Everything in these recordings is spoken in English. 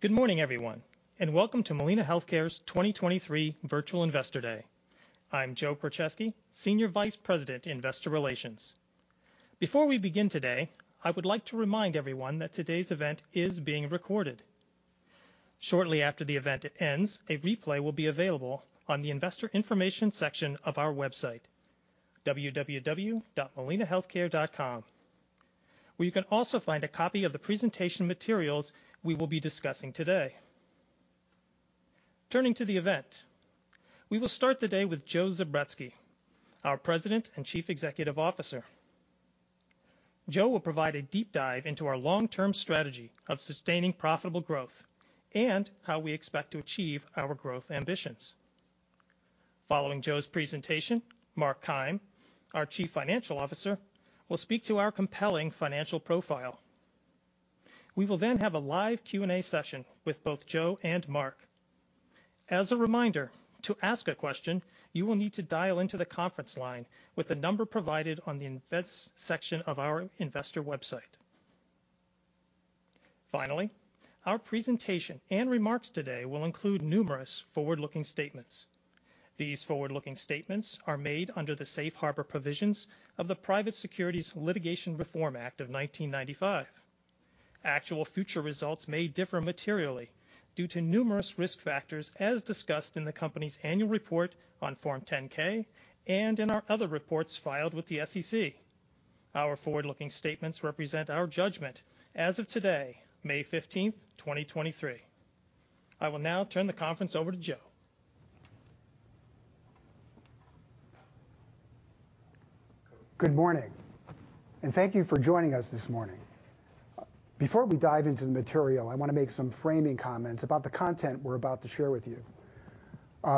Good morning, everyone, welcome to Molina Healthcare's 2023 Virtual Investor Day. I'm Joe Krocheski, Senior Vice President, Investor Relations. Before we begin today, I would like to remind everyone that today's event is being recorded. Shortly after the event ends, a replay will be available on the Investor Information section of our website, www.molinahealthcare.com, where you can also find a copy of the presentation materials we will be discussing today. Turning to the event, we will start the day with Joseph Zubretsky, our President and Chief Executive Officer. Joe will provide a deep dive into our long-term strategy of sustaining profitable growth and how we expect to achieve our growth ambitions. Following Joe's presentation, Mark Keim, our Chief Financial Officer, will speak to our compelling financial profile. We will then have a live Q&A session with both Joe and Mark. As a reminder, to ask a question, you will need to dial into the conference line with the number provided on the Events section of our investor website. Our presentation and remarks today will include numerous forward-looking statements. These forward-looking statements are made under the Safe Harbor provisions of the Private Securities Litigation Reform Act of 1995. Actual future results may differ materially due to numerous risk factors as discussed in the company's annual report on Form 10-K and in our other reports filed with the SEC. Our forward-looking statements represent our judgment as of today, May 15th, 2023. I will now turn the conference over to Joe. Good morning. Thank you for joining us this morning. Before we dive into the material, I wanna make some framing comments about the content we're about to share with you.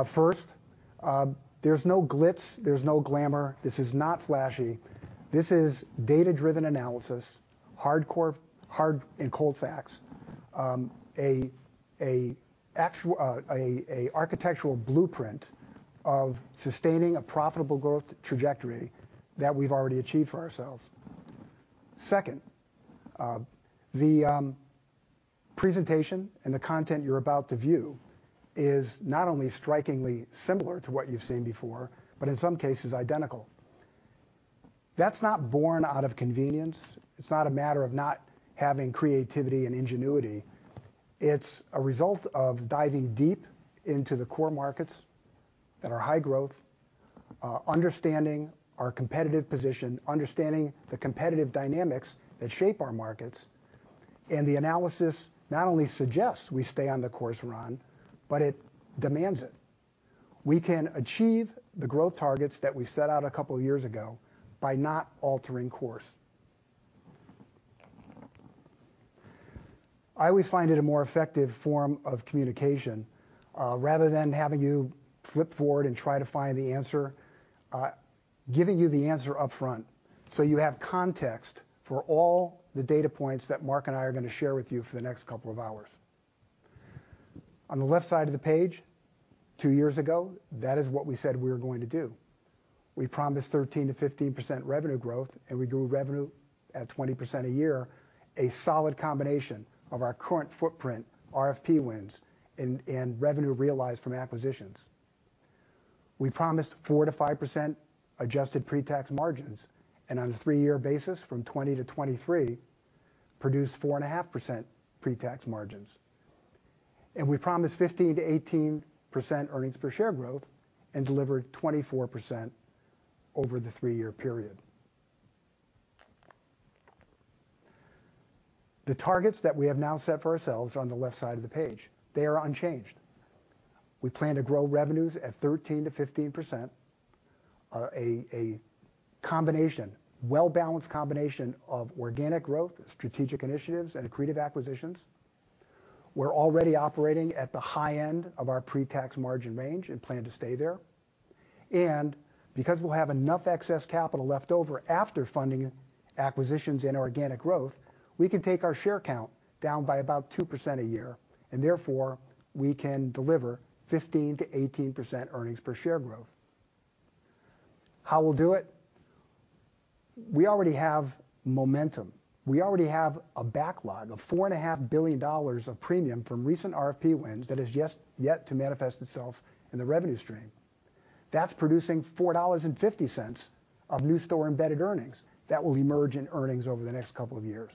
First, there's no glitz, there's no glamour. This is not flashy. This is data-driven analysis, hardcore, hard, and cold facts. A architectural blueprint of sustaining a profitable growth trajectory that we've already achieved for ourselves. Second, the presentation and the content you're about to view is not only strikingly similar to what you've seen before, but in some cases identical. That's not born out of convenience. It's not a matter of not having creativity and ingenuity. It's a result of diving deep into the core markets that are high growth, understanding our competitive position, understanding the competitive dynamics that shape our markets. The analysis not only suggests we stay on the course we're on, but it demands it. We can achieve the growth targets that we set out a couple years ago by not altering course. I always find it a more effective form of communication, rather than having you flip forward and try to find the answer, giving you the answer up front so you have context for all the data points that Mark and I are gonna share with you for the next couple of hours. On the left side of the page, two years ago, that is what we said we were going to do. We promised 13%-15% revenue growth, and we grew revenue at 20% a year, a solid combination of our current footprint, RFP wins, and revenue realized from acquisitions. We promised 4%-5% adjusted pre-tax margins, on a three-year basis from 2020-2023, produced 4.5% pre-tax margins. We promised 15%-18% EPS growth and delivered 24% over the three-year period. The targets that we have now set for ourselves are on the left side of the page. They are unchanged. We plan to grow revenues at 13%-15%, a well-balanced combination of organic growth, strategic initiatives, and accretive acquisitions. We're already operating at the high end of our pre-tax margin range and plan to stay there. Because we'll have enough excess capital left over after funding acquisitions and organic growth, we can take our share count down by about 2% a year, and therefore, we can deliver 15%-18% EPS growth. How we'll do it? We already have momentum. We already have a backlog of $4.5 billion of premium from recent RFP wins that is just yet to manifest itself in the revenue stream. That's producing $4.50 of new store-embedded earnings that will emerge in earnings over the next couple of years.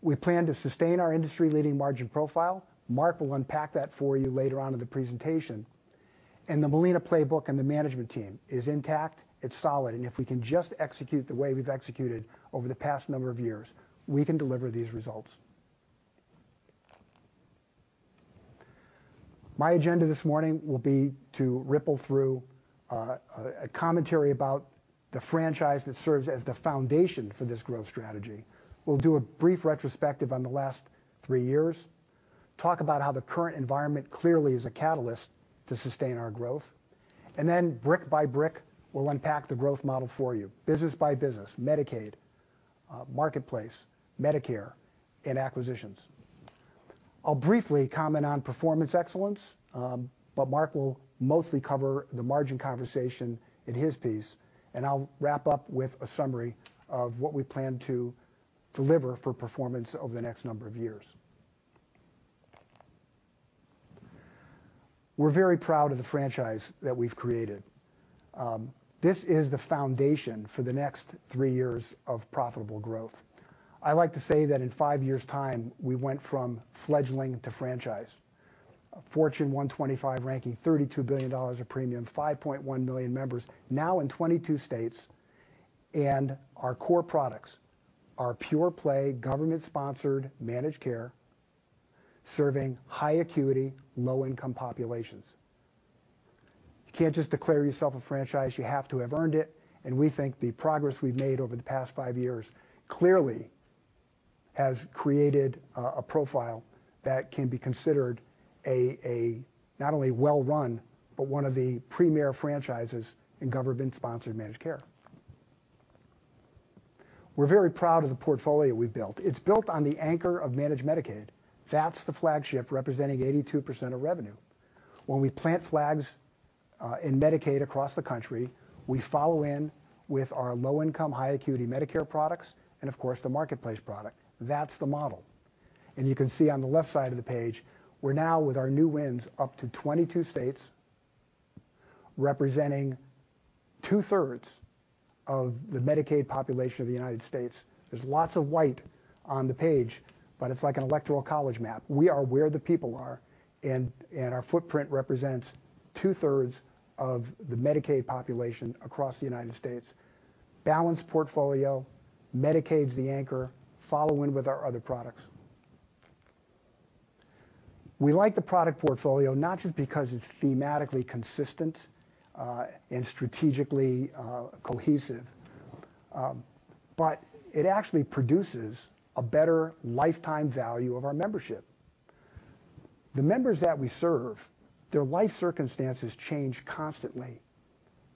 We plan to sustain our industry-leading margin profile. Mark will unpack that for you later on in the presentation. The Molina playbook and the management team is intact, it's solid, and if we can just execute the way we've executed over the past number of years, we can deliver these results. My agenda this morning will be to ripple through a commentary about the franchise that serves as the foundation for this growth strategy. We'll do a brief retrospective on the last three years, talk about how the current environment clearly is a catalyst to sustain our growth, and then brick by brick, we'll unpack the growth model for you, business by business, Medicaid, Marketplace, Medicare, and acquisitions. I'll briefly comment on performance excellence, but Mark will mostly cover the margin conversation in his piece, and I'll wrap up with a summary of what we plan to deliver for performance over the next number of years. We're very proud of the franchise that we've created. This is the foundation for the next three years of profitable growth. I like to say that in five years' time, we went from fledgling to franchise. A Fortune 125 ranking, $32 billion of premium, 5.1 million members, now in 22 states. Our core products are pure-play, government-sponsored managed care serving high acuity, low-income populations. You can't just declare yourself a franchise. You have to have earned it. We think the progress we've made over the past five years clearly has created a profile that can be considered a not only well-run, but one of the premier franchises in government-sponsored managed care. We're very proud of the portfolio we've built. It's built on the anchor of managed Medicaid. That's the flagship representing 82% of revenue. When we plant flags in Medicaid across the country, we follow in with our low-income, high-acuity Medicare products and of course, the Marketplace product. That's the model. You can see on the left side of the page, we're now with our new wins, up to 22 states, representing 2/3 of the Medicaid population of the United States. There's lots of white on the page. It's like an electoral college map. We are where the people are. Our footprint represents 2/3 of the Medicaid population across the United States. Balanced portfolio. Medicaid's the anchor. Follow in with our other products. We like the product portfolio, not just because it's thematically consistent and strategically cohesive, but it actually produces a better lifetime value of our membership. The members that we serve, their life circumstances change constantly.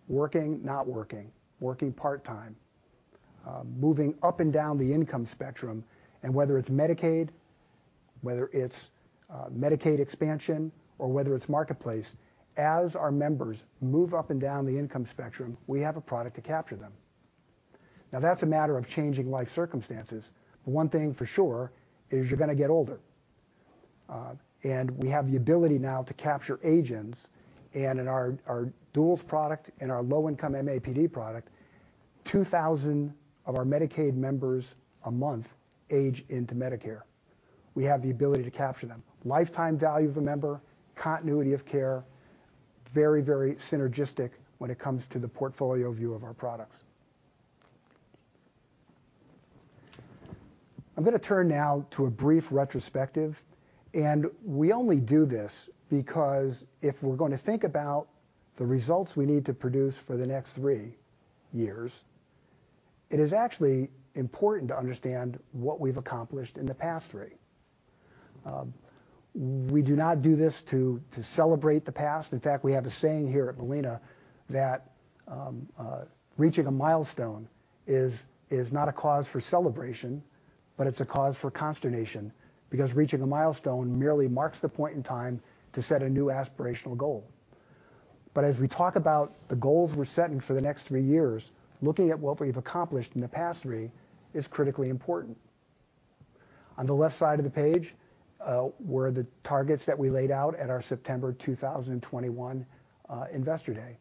Working, not working part-time, moving up and down the income spectrum, and whether it's Medicaid, whether it's Medicaid expansion, or whether it's Marketplace, as our members move up and down the income spectrum, we have a product to capture them. Now that's a matter of changing life circumstances, but one thing for sure is you're gonna get older. We have the ability now to capture agents, and in our duals product and our low-income MAPD product, 2,000 of our Medicaid members a month age into Medicare. We have the ability to capture them. Lifetime value of a member, continuity of care, very, very synergistic when it comes to the portfolio view of our products. I'm gonna turn now to a brief retrospective, and we only do this because if we're going to think about the results we need to produce for the next three years, it is actually important to understand what we've accomplished in the past three. We do not do this to celebrate the past. In fact, we have a saying here at Molina that reaching a milestone is not a cause for celebration, but it's a cause for consternation, because reaching a milestone merely marks the point in time to set a new aspirational goal. As we talk about the goals we're setting for the next three years, looking at what we've accomplished in the past three is critically important. On the left side of the page, were the targets that we laid out at our September 2021 Investor Day,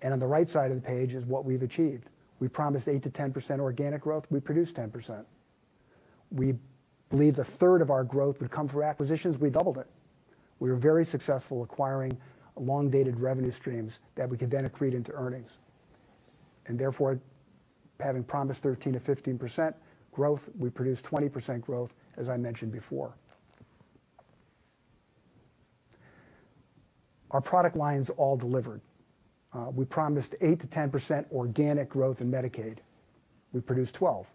and on the right side of the page is what we've achieved. We promised 8%-10% organic growth. We produced 10%. We believed a third of our growth would come through acquisitions. We doubled it. We were very successful acquiring long-dated revenue streams that we could then accrete into earnings. Therefore, having promised 13%-15% growth, we produced 20% growth, as I mentioned before. Our product lines all delivered. We promised 8%-10% organic growth in Medicaid. We produced 12.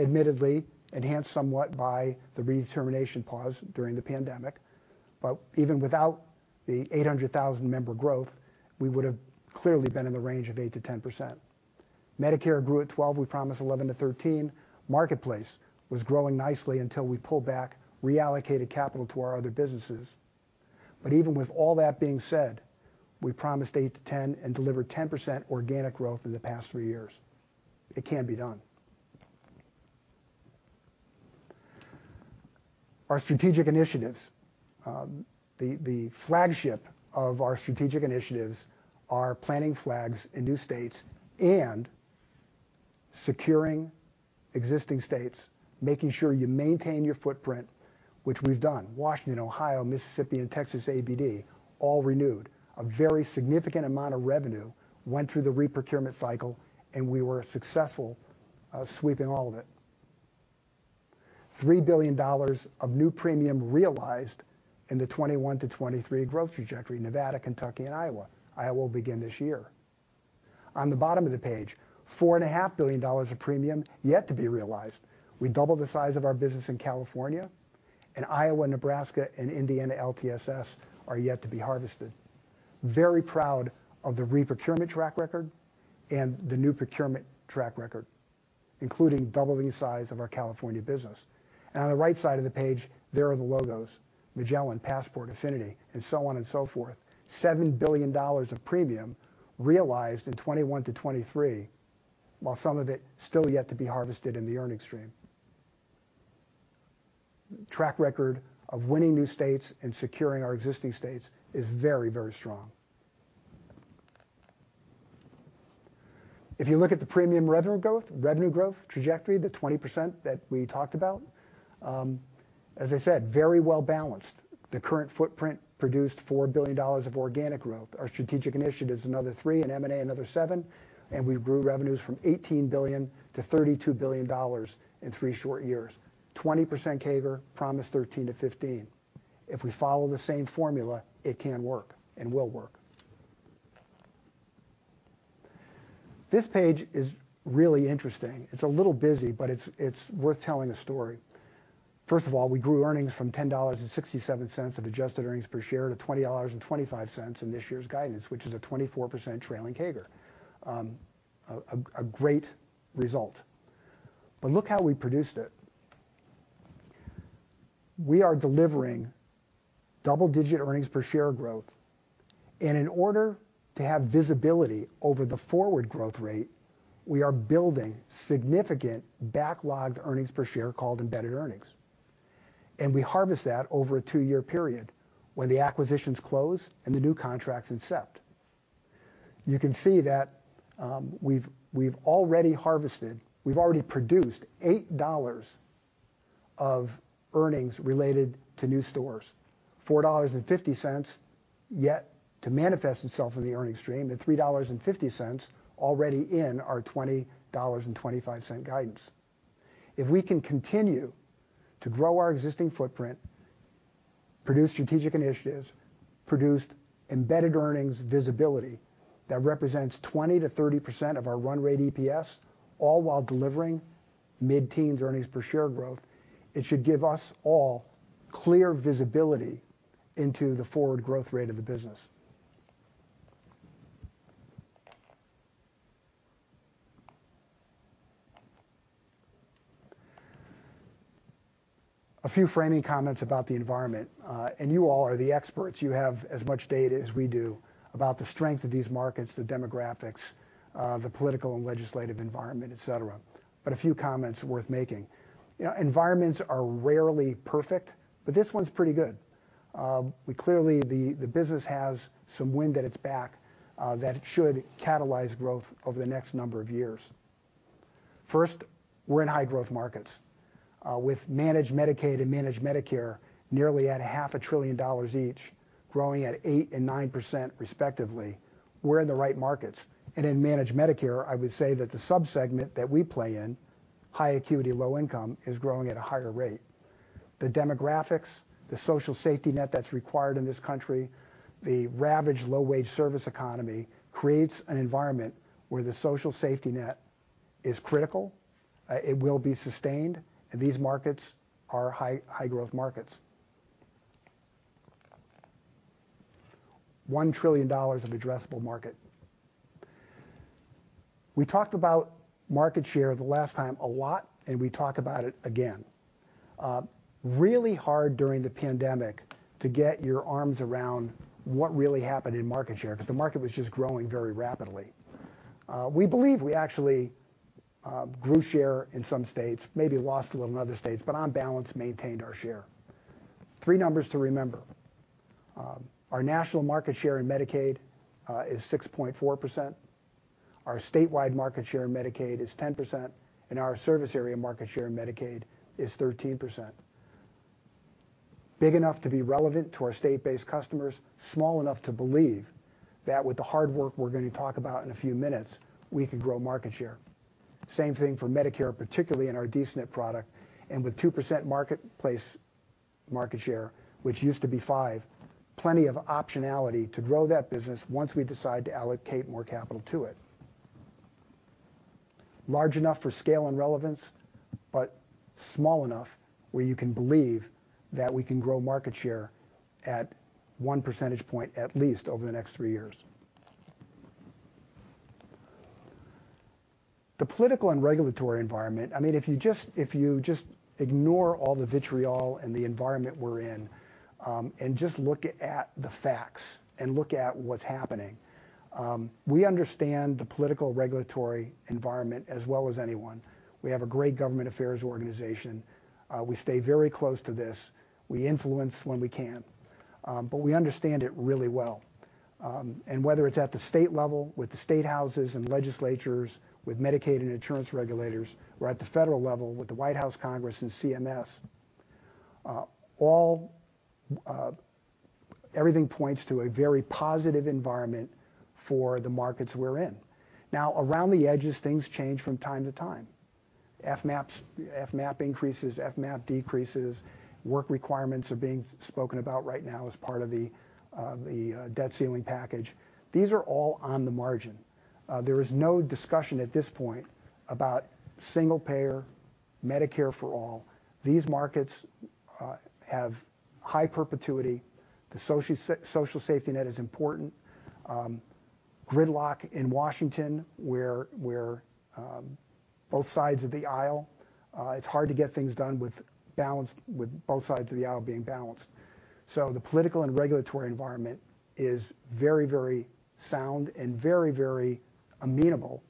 Admittedly, enhanced somewhat by the redetermination pause during the pandemic, but even without the 800,000 member growth, we would've clearly been in the range of 8%-10%. Medicare grew at 12. We promised 11%-13%. Marketplace was growing nicely until we pulled back, reallocated capital to our other businesses. Even with all that being said, we promised 8%-10% and delivered 10% organic growth in the past three years. It can be done. Our strategic initiatives. The flagship of our strategic initiatives are planting flags in new states and securing existing states, making sure you maintain your footprint, which we've done. Washington, Ohio, Mississippi, and Texas ABD all renewed. A very significant amount of revenue went through the re-procurement cycle, and we were successful sweeping all of it. $3 billion of new premium realized in the 2021-2023 growth trajectory, Nevada, Kentucky, and Iowa. Iowa will begin this year. On the bottom of the page, four and a half billion dollars of premium yet to be realized. We doubled the size of our business in California, and Iowa, Nebraska, and Indiana LTSS are yet to be harvested. Very proud of the re-procurement track record and the new procurement track record. Including doubling the size of our California business. On the right side of the page, there are the logos, Magellan, Passport, Affinity, and so on and so forth. $7 billion of premium realized in 2021-2023, while some of it still yet to be harvested in the earnings stream. Track record of winning new states and securing our existing states is very, very strong. If you look at the premium revenue growth trajectory, the 20% that we talked about, as I said, very well balanced. The current footprint produced $4 billion of organic growth. Our strategic initiatives, another three, M&A, another seven, we grew revenues from $18 billion to $32 billion in three short years. 20% CAGR, promised 13%-15%. If we follow the same formula, it can work and will work. This page is really interesting. It's a little busy, it's worth telling a story. First of all, we grew earnings from $10.67 of adjusted earnings per share to $20.25 in this year's guidance, which is a 24% trailing CAGR. A great result. Look how we produced it. We are delivering double-digit earnings per share growth. In order to have visibility over the forward growth rate, we are building significant backlogged earnings per share called embedded earnings. We harvest that over a two-year period when the acquisitions close and the new contracts incept. You can see that, we've already harvested, we've already produced $8 of earnings related to new stores. $4.50 yet to manifest itself in the earnings stream, and $3.50 already in our $20.25 guidance. If we can continue to grow our existing footprint, produce strategic initiatives, produce embedded earnings visibility that represents 20%-30% of our run rate EPS, all while delivering mid-teens earnings per share growth, it should give us all clear visibility into the forward growth rate of the business. A few framing comments about the environment, you all are the experts. You have as much data as we do about the strength of these markets, the demographics, the political and legislative environment, etc. A few comments worth making. You know, environments are rarely perfect, but this one's pretty good. The business has some wind at its back that should catalyze growth over the next number of years. First, we're in high growth markets with managed Medicaid and managed Medicare nearly at half a trillion dollars each, growing at 8% and 9% respectively. We're in the right markets. In managed Medicare, I would say that the sub-segment that we play in, high acuity, low income, is growing at a higher rate. The demographics, the social safety net that's required in this country, the ravaged low-wage service economy creates an environment where the social safety net is critical. It will be sustained, and these markets are high, high growth markets. $1 trillion of addressable market. We talked about market share the last time a lot. We talk about it again. Really hard during the pandemic to get your arms around what really happened in market share because the market was just growing very rapidly. We believe we actually grew share in some states, maybe lost a little in other states, but on balance, maintained our share. Three numbers to remember. Our national market share in Medicaid is 6.4%. Our statewide market share in Medicaid is 10%. Our service area market share in Medicaid is 13%. Big enough to be relevant to our state-based customers, small enough to believe that with the hard work we're gonna talk about in a few minutes, we can grow market share. Same thing for Medicare, particularly in our D-SNP product, and with 2% marketplace market share, which used to be 5%, plenty of optionality to grow that business once we decide to allocate more capital to it. Large enough for scale and relevance, but small enough where you can believe that we can grow market share at 1 percentage point, at least, over the next three years. The political and regulatory environment. I mean, if you just ignore all the vitriol and the environment we're in, and just look at the facts and look at what's happening, we understand the political regulatory environment as well as anyone. We have a great government affairs organization. We stay very close to this. We influence when we can, but we understand it really well. Whether it's at the state level with the state houses and legislatures, with Medicaid and insurance regulators, or at the federal level with the White House, Congress, and CMS. Everything points to a very positive environment for the markets we're in. Now, around the edges, things change from time to time. FMAPs, FMAP increases, FMAP decreases. Work requirements are being spoken about right now as part of the debt ceiling package. These are all on the margin. There is no discussion at this point about single payer-Medicare for All. These markets have high perpetuity. The social safety net is important. Gridlock in Washington, where both sides of the aisle, it's hard to get things done with both sides of the aisle being balanced. The political and regulatory environment is very sound and very amenable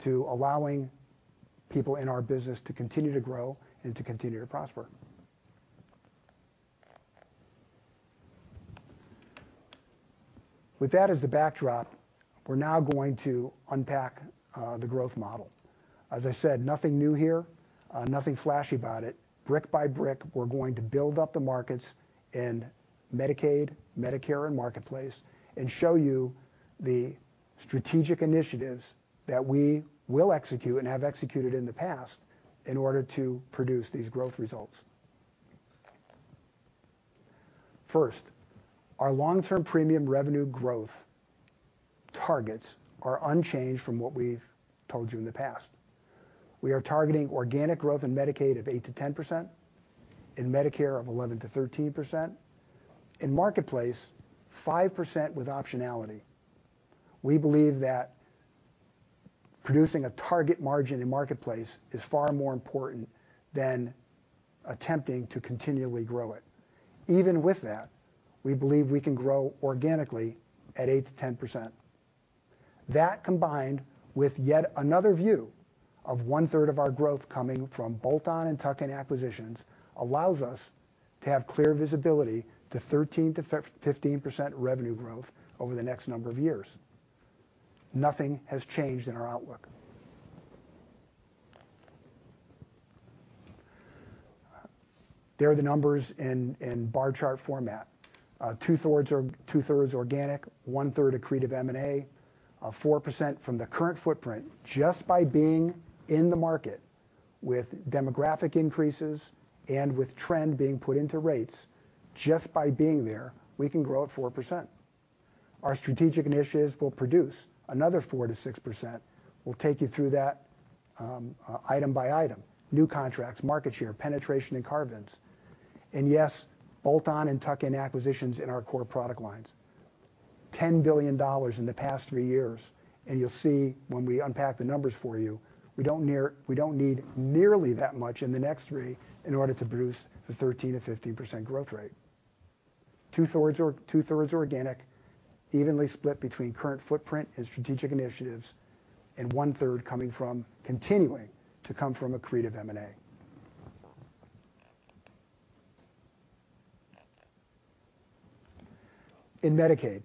to allowing people in our business to continue to grow and to continue to prosper. With that as the backdrop, we're now going to unpack the growth model. As I said, nothing new here, nothing flashy about it. Brick by brick, we're going to build up the markets in Medicaid, Medicare, and Marketplace and show you the strategic initiatives that we will execute and have executed in the past in order to produce these growth results. First, our long-term premium revenue growth targets are unchanged from what we've told you in the past. We are targeting organic growth in Medicaid of 8%-10%, in Medicare of 11%-13%. In Marketplace, 5% with optionality. We believe that producing a target margin in Marketplace is far more important than attempting to continually grow it. Even with that, we believe we can grow organically at 8%-10%. That combined with yet another view of one-third of our growth coming from bolt-on and tuck-in acquisitions allows us to have clear visibility to 13%-15% revenue growth over the next number of years. Nothing has changed in our outlook. There are the numbers in bar chart format. 2/3 organic, one-third accretive M&A, 4% from the current footprint just by being in the market with demographic increases and with trend being put into rates. Just by being there, we can grow at 4%. Our strategic initiatives will produce another 4%-6%. We'll take you through that item by item. New contracts, market share, penetration, and carve-ins. Yes, bolt-on and tuck-in acquisitions in our core product lines. $10 billion in the past three years, you'll see when we unpack the numbers for you, we don't need nearly that much in the next three in order to produce the 13%-15% growth rate. 2/3 organic evenly split between current footprint and strategic initiatives, one-third coming from continuing to come from accretive M&A. In Medicaid,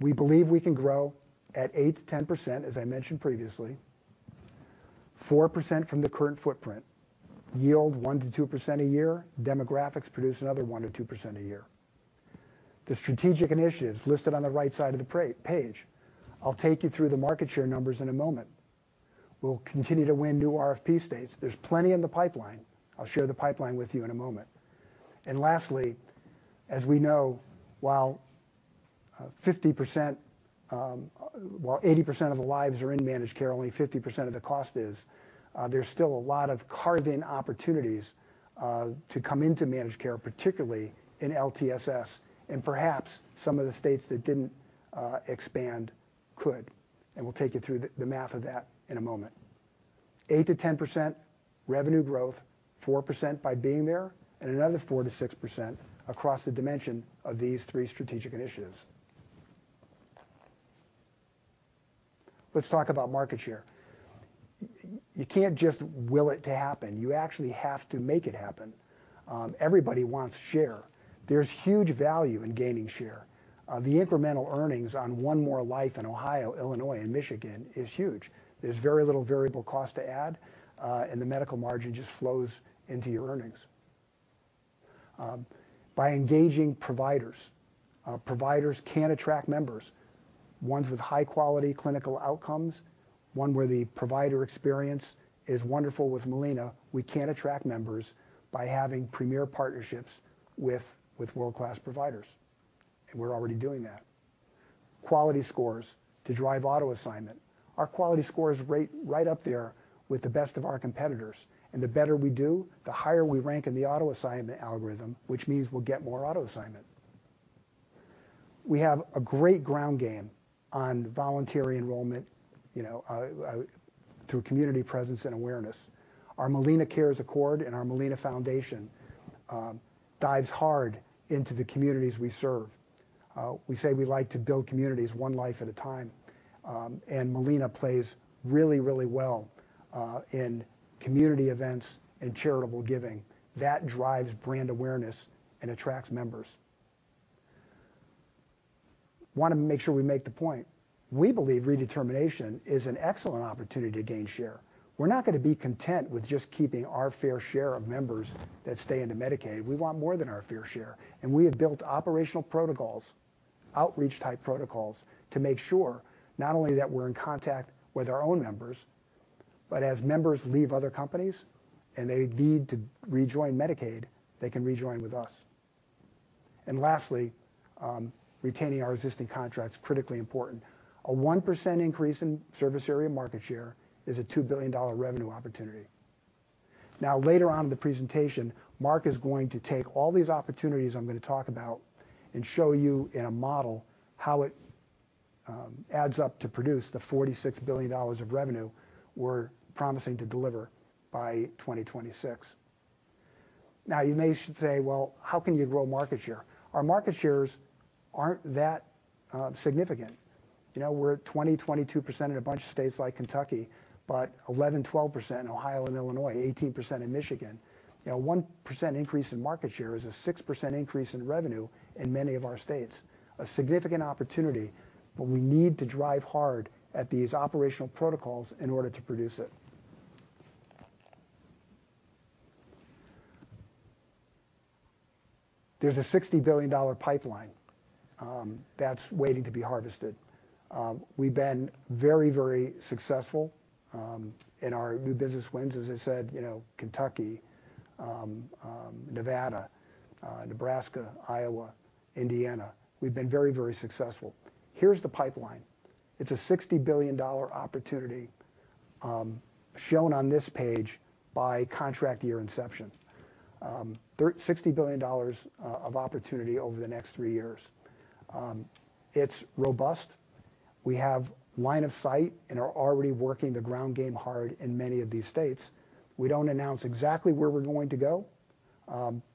we believe we can grow at 8%-10%, as I mentioned previously. 4% from the current footprint yield 1%-2% a year. Demographics produce another 1%-2% a year. The strategic initiatives listed on the right side of the page. I'll take you through the market share numbers in a moment. We'll continue to win new RFP states. There's plenty in the pipeline. I'll share the pipeline with you in a moment. Lastly, as we know, while 50%, while 80% of the lives are in managed care, only 50% of the cost is, there's still a lot of carve-in opportunities to come into managed care, particularly in LTSS, and perhaps some of the states that didn't expand could, and we'll take you through the math of that in a moment. 8%-10% revenue growth, 4% by being there, and another 4%-6% across the dimension of these three strategic initiatives. Let's talk about market share. You can't just will it to happen. You actually have to make it happen. Everybody wants share. There's huge value in gaining share. The incremental earnings on one more life in Ohio, Illinois, and Michigan is huge. There's very little variable cost to add, and the medical margin just flows into your earnings. By engaging providers. Providers can attract members, ones with high-quality clinical outcomes, one where the provider experience is wonderful with Molina. We can attract members by having premier partnerships with world-class providers, and we're already doing that. Quality scores to drive auto assignment. Our quality score is rate right up there with the best of our competitors, and the better we do, the higher we rank in the auto assignment algorithm, which means we'll get more auto assignment. We have a great ground game on voluntary enrollment, you know, through community presence and awareness. Our MolinaCares Accord and our Molina Foundation dives hard into the communities we serve. We say we like to build communities one life at a time, and Molina plays really well in community events and charitable giving. That drives brand awareness and attracts members. Wanna make sure we make the point. We believe redetermination is an excellent opportunity to gain share. We're not gonna be content with just keeping our fair share of members that stay into Medicaid. We want more than our fair share. We have built operational protocols, outreach-type protocols, to make sure not only that we're in contact with our own members, but as members leave other companies and they need to rejoin Medicaid, they can rejoin with us. Lastly, retaining our existing contracts, critically important. A 1% increase in service area market share is a $2 billion revenue opportunity. Later on in the presentation, Mark is going to take all these opportunities I'm gonna talk about and show you in a model how it adds up to produce the $46 billion of revenue we're promising to deliver by 2026. You may say, "Well, how can you grow market share?" Our market shares aren't that significant. You know, we're at 20%-22% in a bunch of states like Kentucky, but 11%-12% in Ohio and Illinois, 18% in Michigan. You know, a 1% increase in market share is a 6% increase in revenue in many of our states, a significant opportunity. We need to drive hard at these operational protocols in order to produce it. There's a $60 billion pipeline that's waiting to be harvested. We've been very, very successful in our new business wins. As I said, you know, Kentucky, Nevada, Nebraska, Iowa, Indiana, we've been very, very successful. Here's the pipeline. It's a $60 billion opportunity shown on this page by contract year inception. $60 billion of opportunity over the next three years. It's robust. We have line of sight and are already working the ground game hard in many of these states. We don't announce exactly where we're going to go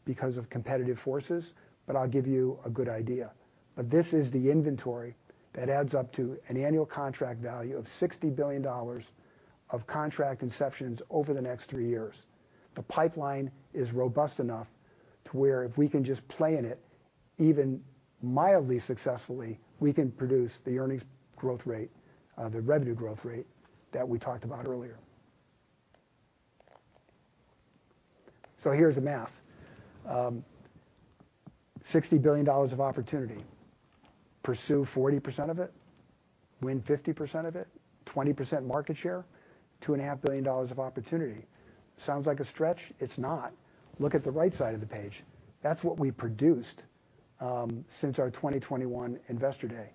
because of competitive forces, but I'll give you a good idea. This is the inventory that adds up to an annual contract value of $60 billion of contract inceptions over the next three years. The pipeline is robust enough to where if we can just play in it even mildly successfully, we can produce the earnings growth rate, the revenue growth rate that we talked about earlier. Here's the math. $60 billion of opportunity. Pursue 40% of it, win 50% of it, 20% market share, $2.5 billion of opportunity. Sounds like a stretch? It's not. Look at the right side of the page. That's what we produced since our 2021 investor day.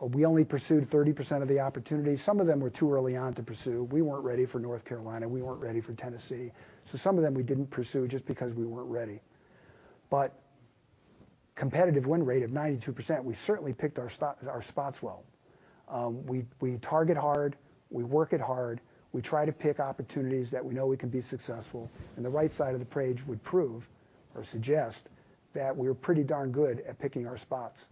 We only pursued 30% of the opportunities. Some of them were too early on to pursue. We weren't ready for North Carolina. We weren't ready for Tennessee. Some of them we didn't pursue just because we weren't ready. Competitive win rate of 92%, we certainly picked our spots well. We, we target hard. We work it hard. We try to pick opportunities that we know we can be successful, and the right side of the page would prove or suggest that we're pretty darn good at picking our spots.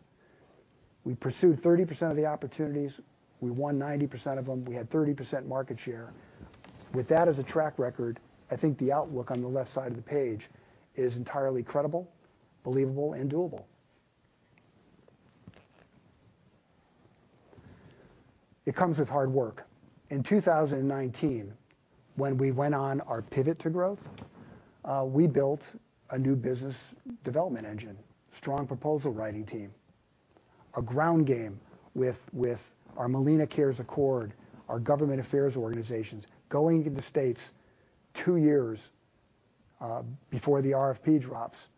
We pursued 30% of the opportunities. We won 90% of them. We had 30% market share. With that as a track record, I think the outlook on the left side of the page is entirely credible, believable, and doable. It comes with hard work. In 2019, when we went on our pivot to growth, we built a new business development engine, strong proposal writing team, a ground game with our MolinaCares Accord, our government affairs organizations, going into states two years before the RFP drops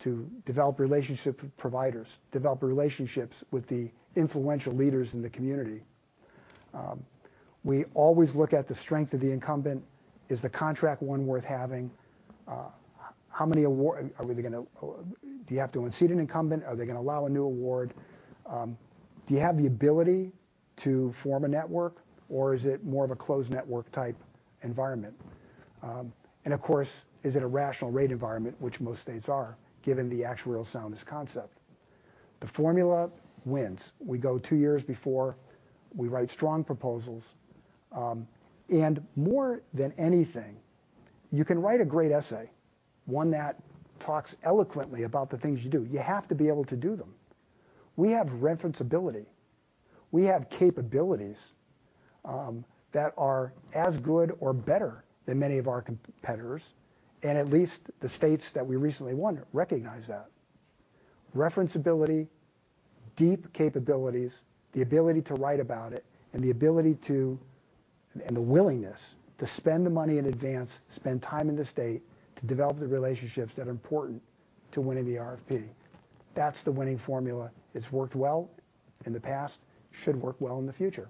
to develop relationship with providers, develop relationships with the influential leaders in the community. We always look at the strength of the incumbent. Is the contract one worth having? How many award? Are they gonna – do you have to unseat an incumbent? Are they gonna allow a new award? Do you have the ability to form a network, or is it more of a closed network type environment? And of course, is it a rational rate environment, which most states are, given the actuarial soundness concept? The formula wins. We go two years before. We write strong proposals. More than anything, you can write a great essay, one that talks eloquently about the things you do. You have to be able to do them. We have referenceability. We have capabilities that are as good or better than many of our competitors, and at least the states that we recently won recognize that. Referenceability, deep capabilities, the ability to write about it, and the ability to, and the willingness to spend the money in advance, spend time in the state to develop the relationships that are important to winning the RFP. That's the winning formula. It's worked well in the past. Should work well in the future.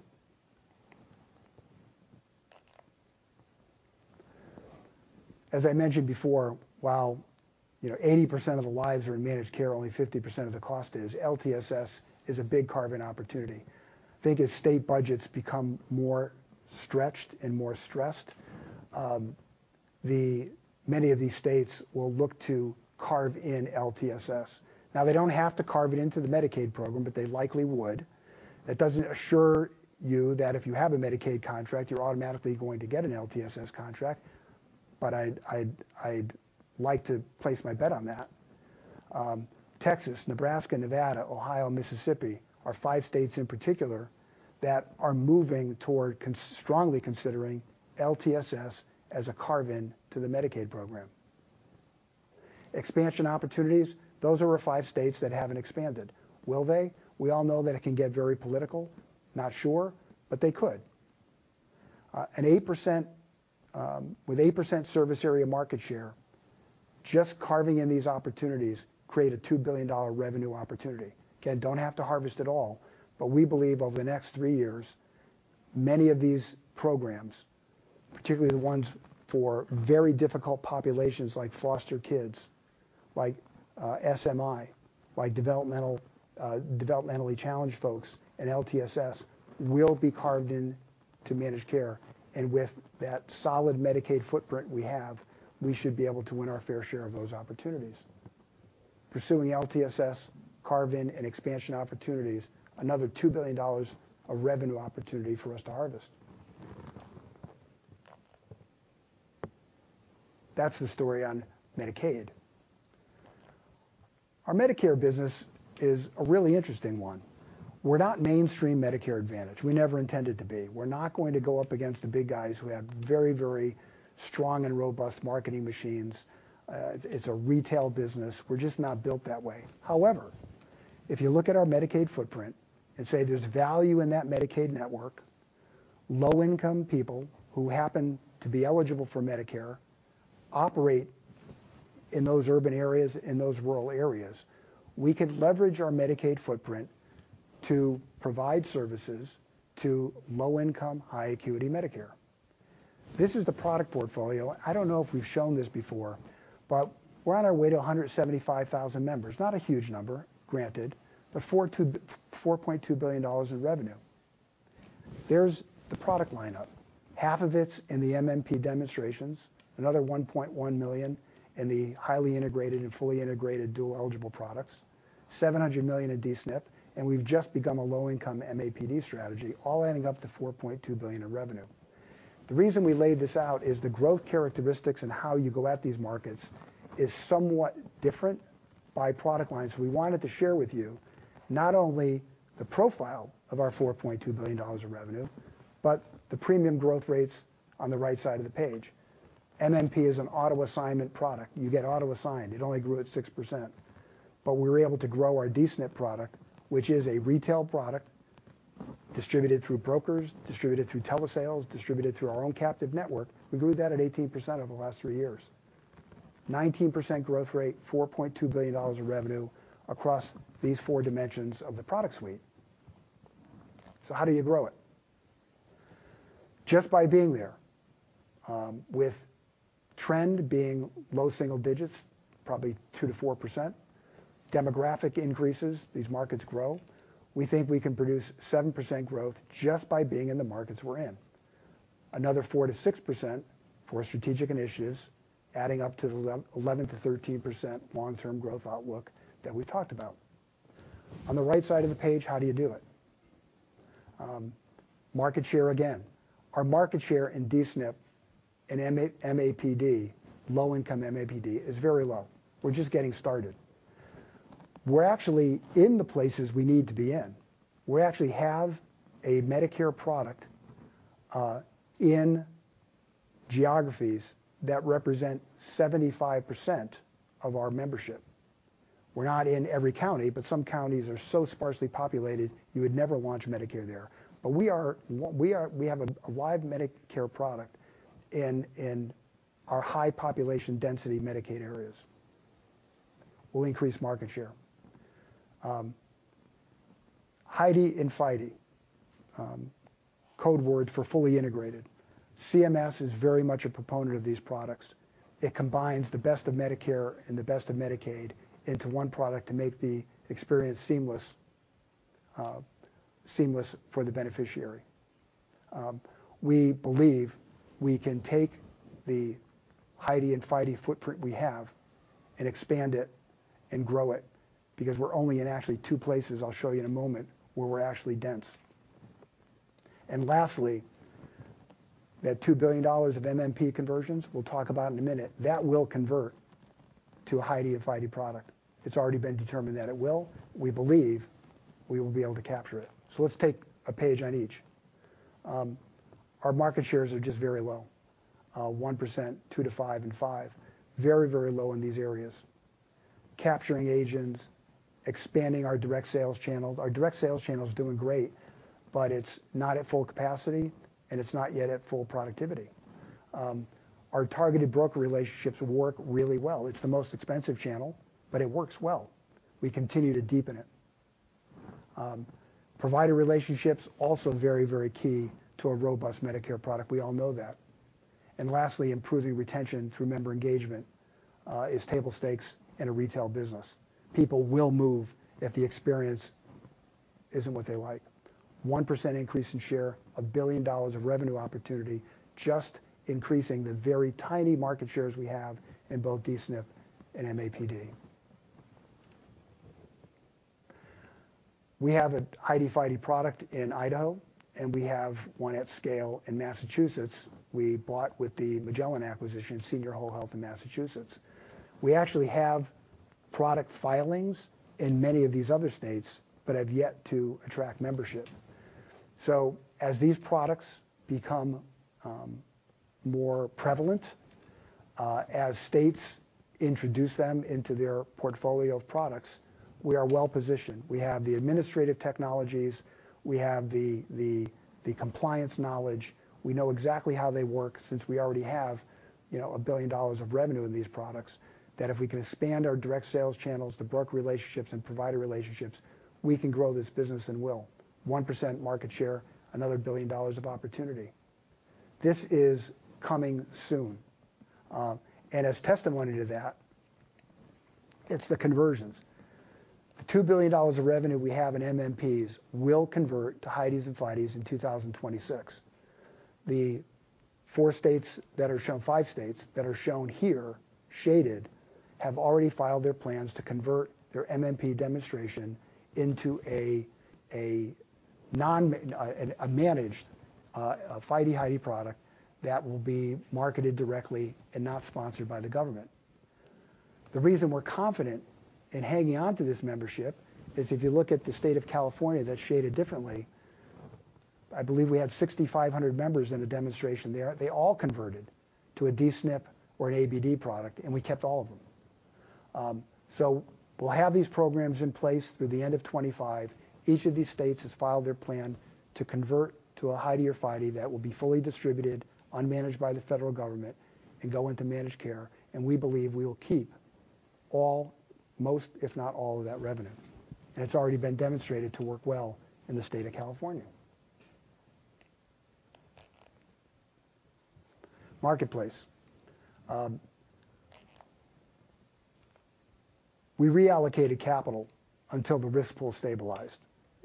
As I mentioned before, while, you know, 80% of the lives are in managed care, only 50% of the cost is, LTSS is a big carve-in opportunity. I think as state budgets become more stretched and more stressed, many of these states will look to carve in LTSS. They don't have to carve it into the Medicaid program, but they likely would. That doesn't assure you that if you have a Medicaid contract, you're automatically going to get an LTSS contract. I'd like to place my bet on that. Texas, Nebraska, Nevada, Ohio, Mississippi are five states in particular that are moving toward strongly considering LTSS as a carve-in to the Medicaid program. Expansion opportunities, those are our five states that haven't expanded. Will they? We all know that it can get very political. Not sure, but they could. An 8%, with 8% service area market share, just carving in these opportunities create a $2 billion revenue opportunity. Okay, don't have to harvest at all, but we believe over the next three years, many of these programs, particularly the ones for very difficult populations like foster kids, like SMI, like developmentally challenged folks in LTSS, will be carved in to managed care. With that solid Medicaid footprint we have, we should be able to win our fair share of those opportunities. Pursuing LTSS carve-in and expansion opportunities, another $2 billion of revenue opportunity for us to harvest. That's the story on Medicaid. Our Medicare business is a really interesting one. We're not mainstream Medicare Advantage. We never intended to be. We're not going to go up against the big guys who have very strong and robust marketing machines. It's a retail business. We're just not built that way. If you look at our Medicaid footprint and say there's value in that Medicaid network, low-income people who happen to be eligible for Medicare operate in those urban areas, in those rural areas, we can leverage our Medicaid footprint to provide services to low-income, high-acuity Medicare. This is the product portfolio. I don't know if we've shown this before, but we're on our way to 175,000 members. Not a huge number, granted, but $4.2 billion in revenue. There's the product lineup. Half of it's in the MMP demonstrations, another $1.1 million in the highly integrated and fully integrated dual-eligible products, $700 million in D-SNP, and we've just become a low-income MAPD strategy, all adding up to $4.2 billion in revenue. The reason we laid this out is the growth characteristics and how you go at these markets is somewhat different by product lines. We wanted to share with you not only the profile of our $4.2 billion of revenue, but the premium growth rates on the right side of the page. MMP is an auto-assignment product. You get auto-assigned. It only grew at 6%. We were able to grow our D-SNP product, which is a retail product distributed through brokers, distributed through telesales, distributed through our own captive network. We grew that at 18% over the last three years. 19% growth rate, $4.2 billion of revenue across these four dimensions of the product suite. How do you grow it? Just by being there. With trend being low single digits, probably 2%-4%. Demographic increases, these markets grow. We think we can produce 7% growth just by being in the markets we're in. Another 4%-6% for strategic initiatives, adding up to the 11%-13% long-term growth outlook that we talked about. On the right side of the page, how do you do it? Market share again. Our market share in D-SNP and M-MAPD, low income MAPD, is very low. We're just getting started. We're actually in the places we need to be in. We actually have a Medicare product in geographies that represent 75% of our membership. We're not in every county, some counties are so sparsely populated you would never launch Medicare there. We are, we have a live Medicare product in our high population density Medicaid areas. We'll increase market share. HIDE and FIDE, code words for fully integrated. CMS is very much a proponent of these products. It combines the best of Medicare and the best of Medicaid into one product to make the experience seamless for the beneficiary. We believe we can take the HIDE and FIDE footprint we have and expand it and grow it because we're only in actually two places, I'll show you in a moment, where we're actually dense. Lastly, that $2 billion of MMP conversions we'll talk about in a minute, that will convert to a HIDE and FIDE product. It's already been determined that it will. We believe we will be able to capture it. Let's take a page on each. Our market shares are just very low. 1%, 2%-5%, and 5%. Very, very low in these areas. Capturing agents, expanding our direct sales channel. Our direct sales channel's doing great, but it's not at full capacity, and it's not yet at full productivity. Our targeted broker relationships work really well. It's the most expensive channel, but it works well. We continue to deepen it. Provider relationships, also very, very key to a robust Medicare product. We all know that. Lastly, improving retention through member engagement, is table stakes in a retail business. People will move if the experience isn't what they like. 1% increase in share, $1 billion of revenue opportunity, just increasing the very tiny market shares we have in both D-SNP and MAPD. We have a HIDE, FIDE product in Idaho, and we have one at scale in Massachusetts we bought with the Magellan acquisition, Senior Whole Health in Massachusetts. We actually have product filings in many of these other states but have yet to attract membership. As these products become more prevalent as states introduce them into their portfolio of products, we are well-positioned. We have the administrative technologies. We have the compliance knowledge. We know exactly how they work since we already have, you know, $1 billion of revenue in these products, that if we can expand our direct sales channels to broker relationships and provider relationships, we can grow this business and will. 1% market share, another $1 billion of opportunity. This is coming soon. As testimony to that, it's the conversions. The $2 billion of revenue we have in MMPs will convert to HIDES and FIDES in 2026. The five states that are shown here shaded have already filed their plans to convert their MMP demonstration into a managed FIDES, HIDES product that will be marketed directly and not sponsored by the government. The reason we're confident in hanging on to this membership is if you look at the state of California that's shaded differently, I believe we have 6,500 members in the demonstration there. They all converted to a D-SNP or an ABD product, and we kept all of them. We'll have these programs in place through the end of 2025. Each of these states has filed their plan to convert to a HIDES or FIDES that will be fully distributed, unmanaged by the federal government, and go into managed care, and we believe we will keep all, most, if not all of that revenue. It's already been demonstrated to work well in the state of California. Marketplace. We reallocated capital until the risk pool stabilized.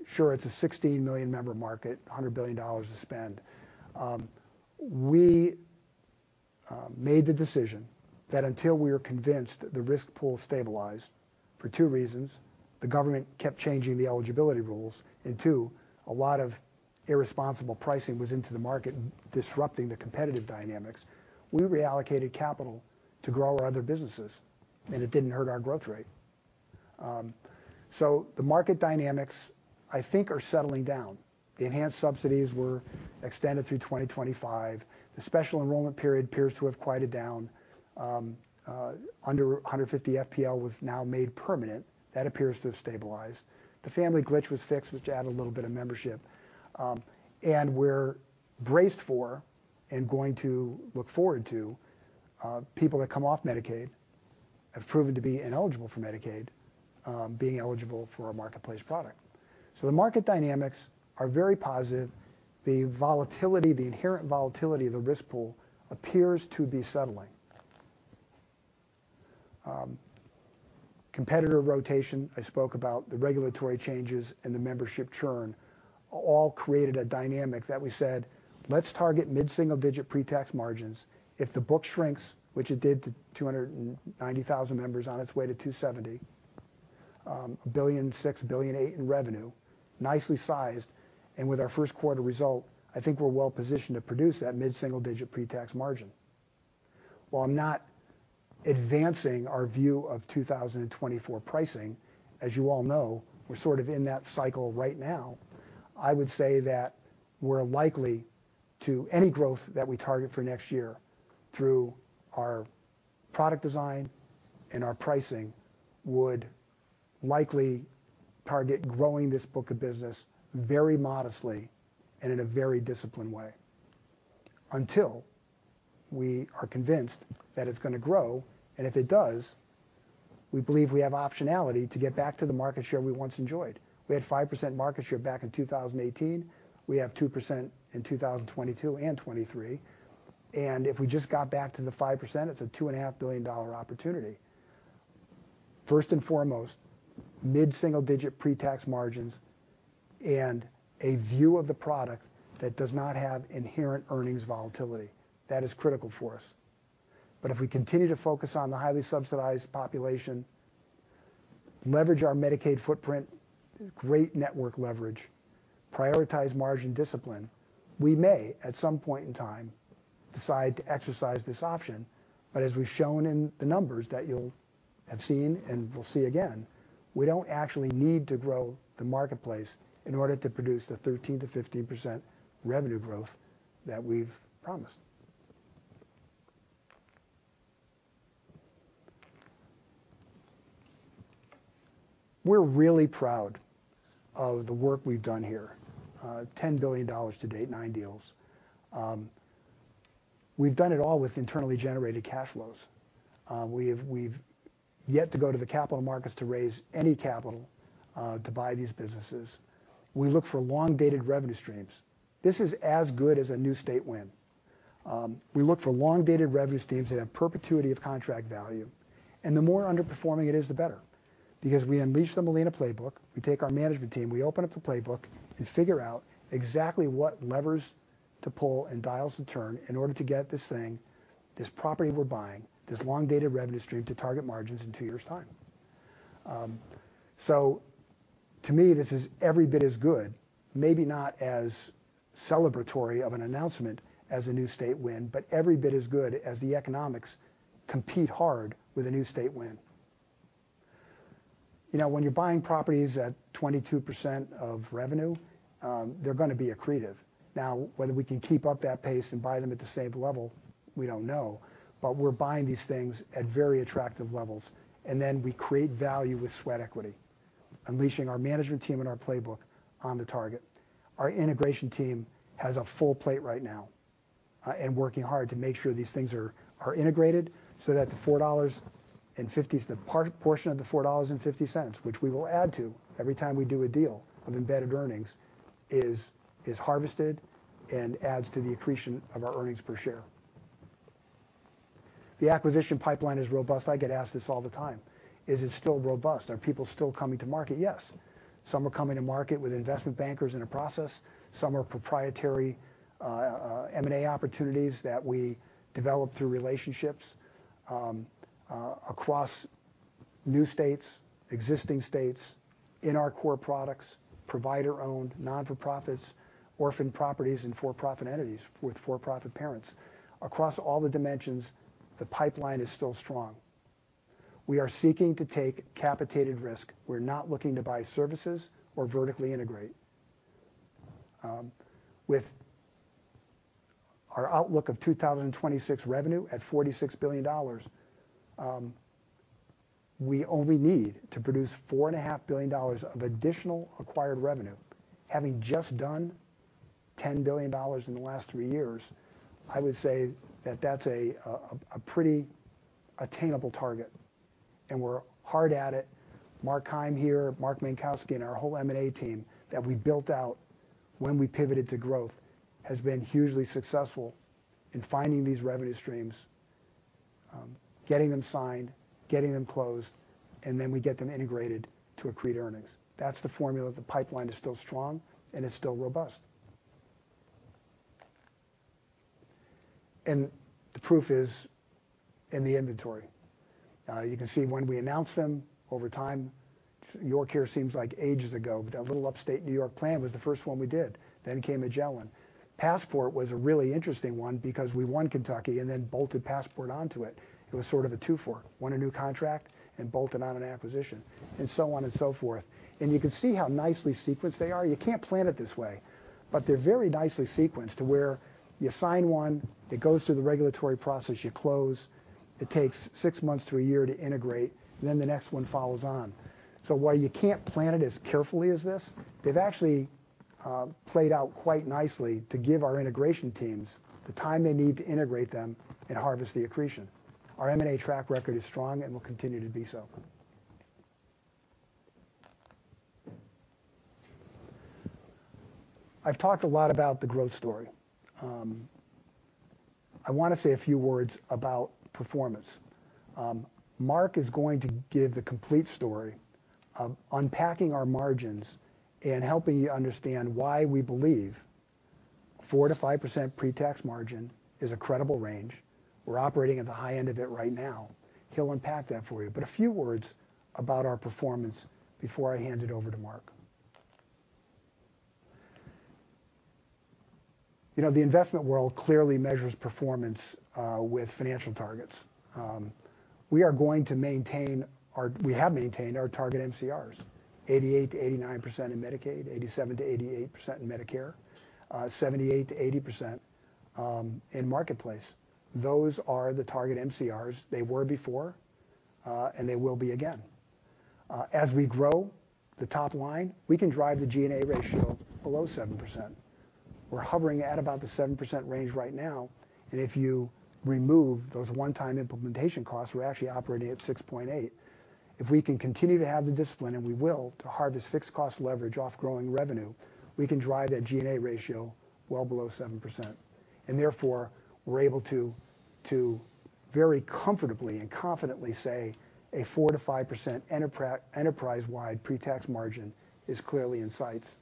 Sure, it's a 16 million-member market, $100 billion to spend. We made the decision that until we are convinced the risk pool stabilized for two reasons, the government kept changing the eligibility rules, and two, a lot of irresponsible pricing was into the market and disrupting the competitive dynamics. We reallocated capital to grow our other businesses. It didn't hurt our growth rate. The market dynamics, I think, are settling down. The enhanced subsidies were extended through 2025. The special enrollment period appears to have quieted down. Under 150 FPL was now made permanent. That appears to have stabilized. The family glitch was fixed, which added a little bit of membership. And we're braced for and going to look forward to people that come off Medicaid have proven to be ineligible for Medicaid, being eligible for a marketplace product. The market dynamics are very positive. The volatility, the inherent volatility of the risk pool appears to be settling. Competitor rotation, I spoke about the regulatory changes and the membership churn, all created a dynamic that we said, "Let's target mid-single-digit pre-tax margins." If the book shrinks, which it did to 290,000 members on its way to 270, $6 billion, $8 billion in revenue, nicely sized, and with our 1st quarter result, I think we're well-positioned to produce that mid-single-digit pre-tax margin. While I'm not advancing our view of 2024 pricing, as you all know, we're sort of in that cycle right now. I would say that we're likely to any growth that we target for next year through our product design and our pricing would likely target growing this book of business very modestly and in a very disciplined way until we are convinced that it's going to grow, and if it does, we believe we have optionality to get back to the market share we once enjoyed. We had 5% market share back in 2018. We have 2% in 2022 and 2023, and if we just got back to the 5%, it's a $2.5 billion dollar opportunity. First and foremost, mid-single-digit pre-tax margins and a view of the product that does not have inherent earnings volatility. That is critical for us. If we continue to focus on the highly subsidized population, leverage our Medicaid footprint, great network leverage, prioritize margin discipline, we may, at some point in time, decide to exercise this option. As we've shown in the numbers that you'll have seen and will see again, we don't actually need to grow the marketplace in order to produce the 13%-15% revenue growth that we've promised. We're really proud of the work we've done here, $10 billion to date, nine deals. We've done it all with internally generated cash flows. We've yet to go to the capital markets to raise any capital to buy these businesses. We look for long-dated revenue streams. This is as good as a new state win. We look for long-dated revenue streams that have perpetuity of contract value, and the more underperforming it is, the better because we unleash the Molina playbook. We take our management team, we open up the playbook, and figure out exactly what levers to pull and dials to turn in order to get this thing, this property we're buying, this long-dated revenue stream to target margins in two years' time. To me, this is every bit as good, maybe not as celebratory of an announcement as a new state win, but every bit as good as the economics compete hard with a new state win. You know, when you're buying properties at 22% of revenue, they're gonna be accretive. Now, whether we can keep up that pace and buy them at the same level, we don't know. We're buying these things at very attractive levels, and then we create value with sweat equity, unleashing our management team and our playbook on the target. Our integration team has a full plate right now, and working hard to make sure these things are integrated so that the portion of the $4.50, which we will add to every time we do a deal of embedded earnings, is harvested and adds to the accretion of our earnings per share. The acquisition pipeline is robust. I get asked this all the time. Is it still robust? Are people still coming to market? Yes. Some are coming to market with investment bankers in the process. Some are proprietary, M&A opportunities that we develop through relationships, across new states, existing states in our core products, provider-owned, non-for-profits, orphan properties, and for-profit entities with for-profit parents. Across all the dimensions, the pipeline is still strong. We are seeking to take capitated risk. We're not looking to buy services or vertically integrate. With our outlook of 2026 revenue at $46 billion, we only need to produce four and a half billion dollars of additional acquired revenue. Having just done $10 billion in the last three years, I would say that that's a pretty attainable target, and we're hard at it. Mark Keim here, Mark Mankowski, our whole M&A team that we built out when we pivoted to growth, has been hugely successful in finding these revenue streams, getting them signed, getting them closed, and then we get them integrated to accrete earnings. That's the formula. The pipeline is still strong, and it's still robust. The proof is in the inventory. You can see when we announced them over time, YourCare seems like ages ago, but that little Upstate New York plan was the first one we did. Came Magellan. Passport was a really interesting one because we won Kentucky and then bolted Passport onto it. It was sort of a two-fer. Won a new contract and bolted on an acquisition, and so on and so forth. You can see how nicely sequenced they are. You can't plan it this way, but they're very nicely sequenced to where you sign one, it goes through the regulatory process, you close, it takes six months to a year to integrate, and then the next one follows on. While you can't plan it as carefully as this, they've actually played out quite nicely to give our integration teams the time they need to integrate them and harvest the accretion. Our M&A track record is strong and will continue to be so. I've talked a lot about the growth story. I wanna say a few words about performance. Mark is going to give the complete story of unpacking our margins and helping you understand why we believe 4%-5% pretax margin is a credible range. We're operating at the high end of it right now. He'll unpack that for you. A few words about our performance before I hand it over to Mark. You know, the investment world clearly measures performance with financial targets. We have maintained our target MCRs, 88%-89% in Medicaid, 87%-88% in Medicare, 78%-80% in Marketplace. Those are the target MCRs they were before, and they will be again. As we grow the top line, we can drive the G&A ratio below 7%. We're hovering at about the 7% range right now, and if you remove those one-time implementation costs, we're actually operating at 6.8%. If we can continue to have the discipline, and we will, to harvest fixed cost leverage off growing revenue, we can drive that G&A ratio well below 7%, and therefore, we're able to very comfortably and confidently say a 4%-5% enterprise-wide pretax margin is clearly in sights.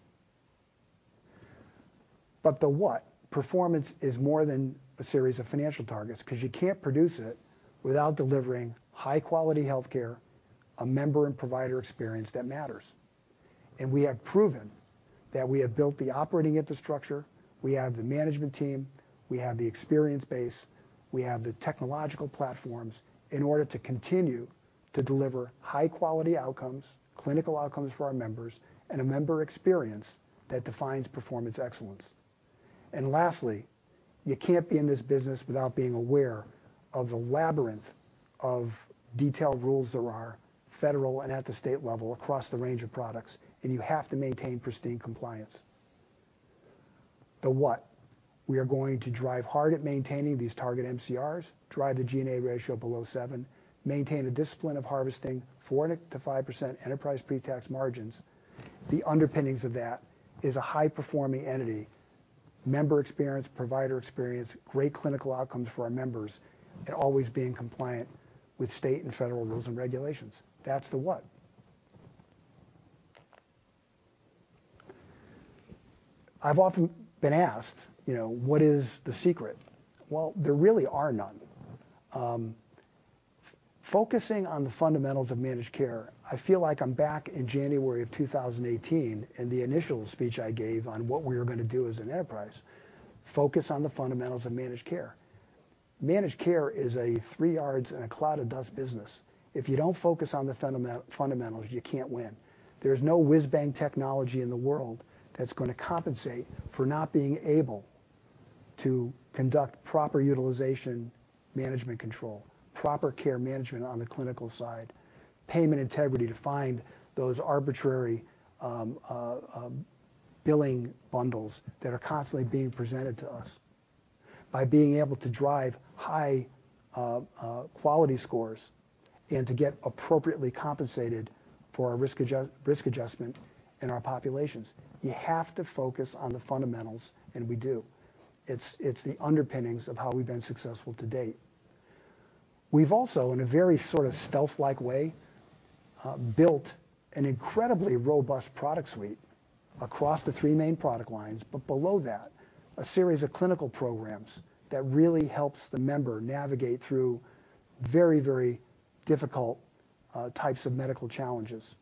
The performance is more than a series of financial targets because you can't produce it without delivering high-quality healthcare, a member and provider experience that matters. We have proven that we have built the operating infrastructure, we have the management team, we have the experience base, we have the technological platforms in order to continue to deliver high-quality outcomes, clinical outcomes for our members, and a member experience that defines performance excellence. Lastly, you can't be in this business without being aware of the labyrinth of detailed rules there are, federal and at the state level across the range of products, and you have to maintain pristine compliance. The what, we are going to drive hard at maintaining these target MCRs, drive the G&A ratio below 7%, maintain the discipline of harvesting 4%-5% enterprise pretax margins. The underpinnings of that is a high-performing entity, member experience, provider experience, great clinical outcomes for our members, and always being compliant with state and federal rules and regulations. That's the what. I've often been asked, you know, what is the secret? Well, there really are none. Focusing on the fundamentals of managed care, I feel like I'm back in January of 2018 in the initial speech I gave on what we are gonna do as an enterprise, focus on the fundamentals of managed care. Managed care is a 3 yards and a cloud of dust business. If you don't focus on the fundamentals, you can't win. There's no whiz-bang technology in the world that's gonna compensate for not being able to conduct proper utilization management control, proper care management on the clinical side, payment integrity to find those arbitrary billing bundles that are constantly being presented to us. By being able to drive high quality scores and to get appropriately compensated for our risk adjustment in our populations. You have to focus on the fundamentals, and we do. It's the underpinnings of how we've been successful to date. We've also, in a very sort of stealth-like way, built an incredibly robust product suite across the three main product lines, but below that, a series of clinical programs that really helps the member navigate through very, very difficult types of medical challenges.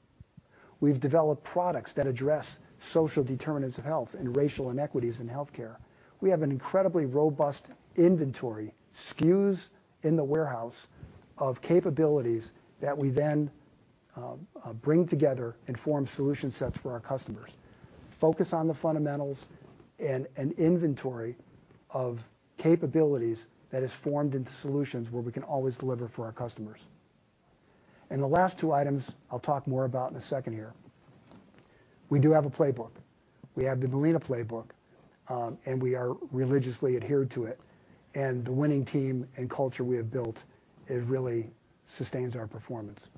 We've developed products that address social determinants of health and racial inequities in healthcare. We have an incredibly robust inventory, SKUs in the warehouse of capabilities that we then bring together and form solution sets for our customers. Focus on the fundamentals and an inventory of capabilities that is formed into solutions where we can always deliver for our customers. The last two items I'll talk more about in a second here. We do have a playbook. We have the Molina playbook, and we are religiously adhered to it, and the winning team and culture we have built, it really sustains our performance.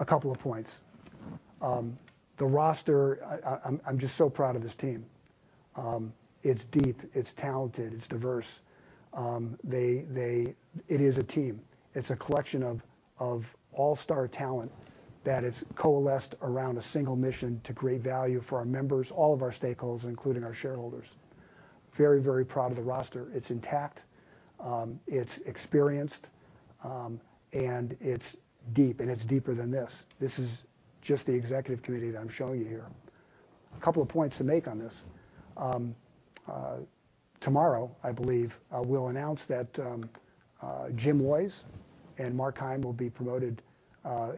A couple of points. The roster, I'm just so proud of this team. It's deep, it's talented, it's diverse. It is a team. It's a collection of all-star talent that has coalesced around a single mission to create value for our members, all of our stakeholders, including our shareholders. Very, very proud of the roster. It's intact, it's experienced, and it's deep, and it's deeper than this. This is just the executive committee that I'm showing you here. A couple of points to make on this. Tomorrow, I believe, we'll announce that Jim Woys and Mark Keim will be promoted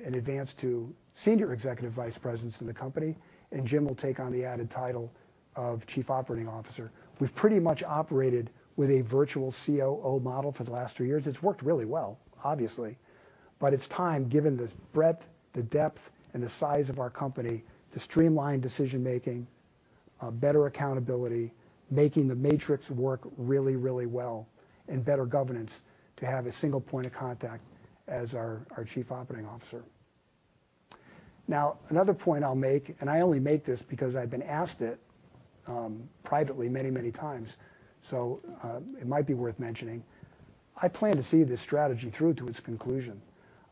in advance to senior executive vice presidents in the company, and Jim will take on the added title of chief operating officer. We've pretty much operated with a virtual COO model for the last two years. It's worked really well, obviously. It's time, given the breadth, the depth, and the size of our company, to streamline decision-making, better accountability, making the matrix work really, really well, and better governance to have a single point of contact as our Chief Operating Officer. Another point I'll make, and I only make this because I've been asked it privately many, many times, so it might be worth mentioning. I plan to see this strategy through to its conclusion.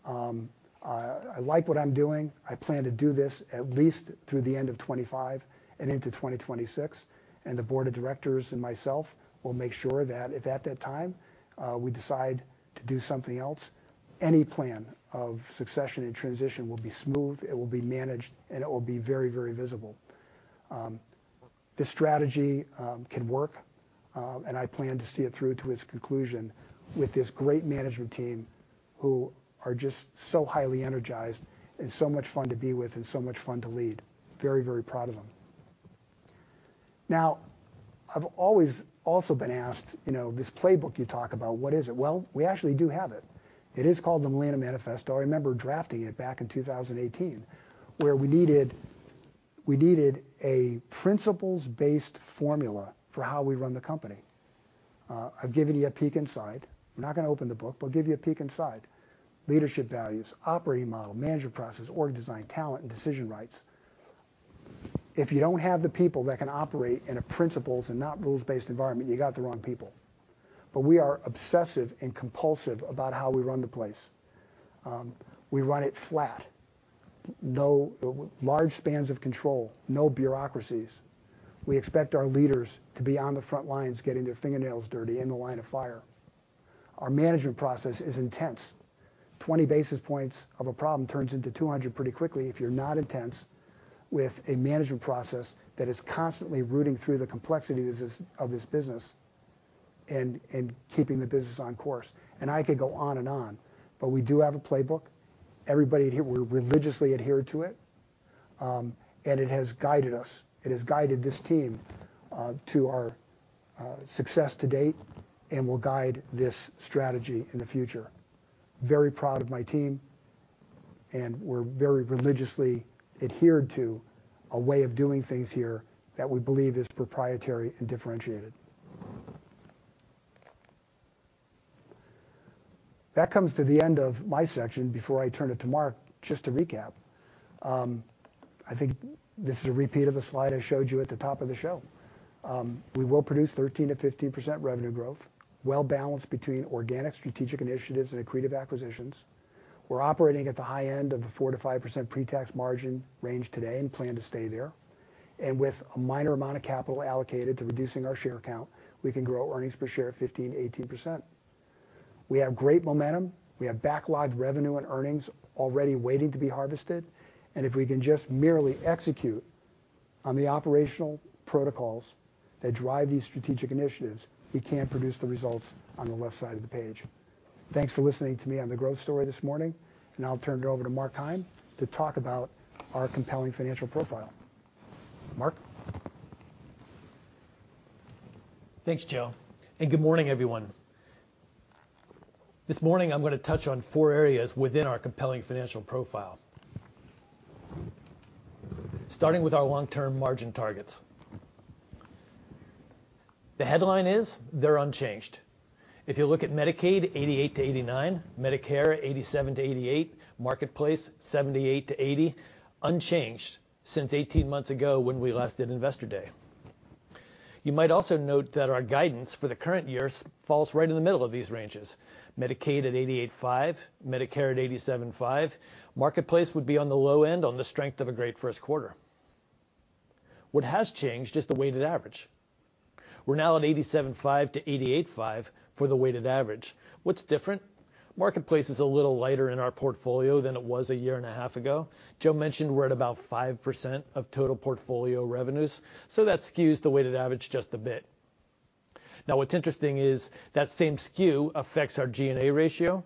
I like what I'm doing. I plan to do this at least through the end of 2025 and into 2026. The board of directors and myself will make sure that if at that time, we decide to do something else, any plan of succession and transition will be smooth, it will be managed, and it will be very, very visible. This strategy can work. I plan to see it through to its conclusion with this great management team who are just so highly energized and so much fun to be with and so much fun to lead. Very, very proud of them. I've always also been asked, you know, this playbook you talk about, what is it? We actually do have it. It is called the Molina Manifesto. I remember drafting it back in 2018, where we needed a principles-based formula for how we run the company. I've given you a peek inside. I'm not gonna open the book, but I'll give you a peek inside. Leadership values, operating model, management process, org design, talent, and decision rights. If you don't have the people that can operate in a principles and not rules-based environment, you got the wrong people. We are obsessive and compulsive about how we run the place. We run it flat. No large spans of control, no bureaucracies. We expect our leaders to be on the front lines getting their fingernails dirty in the line of fire. Our management process is intense. 20 basis points of a problem turns into 200 pretty quickly if you're not intense with a management process that is constantly rooting through the complexities of this business and keeping the business on course. I could go on and on, but we do have a playbook. Everybody here, we religiously adhere to it. It has guided us, it has guided this team to our success to date and will guide this strategy in the future. Very proud of my team, and we're very religiously adhered to a way of doing things here that we believe is proprietary and differentiated. That comes to the end of my section. Before I turn it to Mark, just to recap, I think this is a repeat of the slide I showed you at the top of the show. We will produce 13%-15% revenue growth, well-balanced between organic strategic initiatives and accretive acquisitions. We're operating at the high end of the 4%-5% pre-tax margin range today and plan to stay there. With a minor amount of capital allocated to reducing our share count, we can grow earnings per share 15%-18%. We have great momentum. We have backlogged revenue and earnings already waiting to be harvested. If we can just merely execute on the operational protocols that drive these strategic initiatives, we can produce the results on the left side of the page. Thanks for listening to me on the growth story this morning, and I'll turn it over to Mark Keim to talk about our compelling financial profile. Mark? Thanks, Joe. Good morning, everyone. This morning I'm going to touch on four areas within our compelling financial profile, starting with our long-term margin targets. The headline is, they're unchanged. If you look at Medicaid, 88%-89%, Medicare, 87%-88%, Marketplace, 78%-80%, unchanged since 18 months ago when we last did Investor Day. You might also note that our guidance for the current year falls right in the middle of these ranges. Medicaid at 88.5%, Medicare at 87.5%, Marketplace would be on the low end on the strength of a great first quarter. What has changed is the weighted average. We're now at 87.5%-88.5% for the weighted average. What's different? Marketplace is a little lighter in our portfolio than it was a year and a half ago. Joe mentioned we're at about 5% of total portfolio revenues, that skews the weighted average just a bit. What's interesting is that same skew affects our G&A ratio.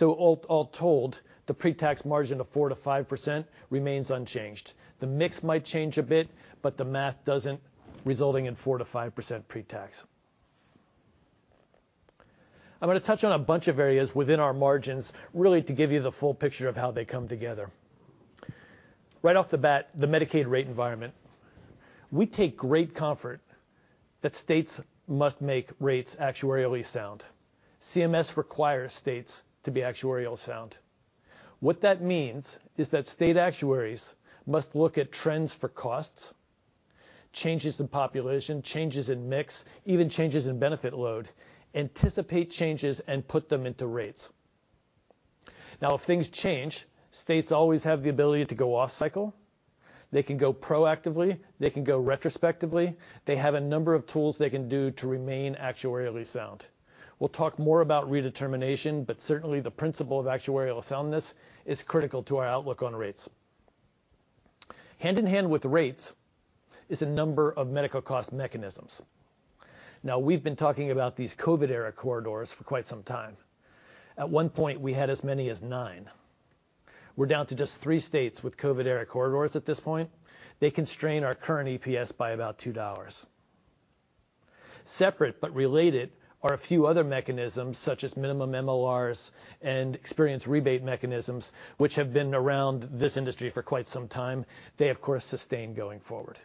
All told, the pre-tax margin of 4%-5% remains unchanged. The mix might change a bit, the math doesn't, resulting in 4%-5% pre-tax. I'm going to touch on a bunch of areas within our margins, really to give you the full picture of how they come together. Right off the bat, the Medicaid rate environment. We take great comfort that states must make rates actuarially sound. CMS requires states to be actuarially sound. What that means is that state actuaries must look at trends for costs, changes in population, changes in mix, even changes in benefit load, anticipate changes, and put them into rates. If things change, states always have the ability to go off cycle. They can go proactively. They can go retrospectively. They have a number of tools they can do to remain actuarially sound. We'll talk more about redetermination, but certainly the principle of actuarial soundness is critical to our outlook on rates. Hand in hand with rates is a number of medical cost mechanisms. We've been talking about these COVID-era corridors for quite some time. At one point, we had as many as nine. We're down to just three states with COVID-era corridors at this point. They constrain our current EPS by about $2. Separate but related are a few other mechanisms, such as minimum MLRs and experience rebate mechanisms, which have been around this industry for quite some time. They of course sustain going forward.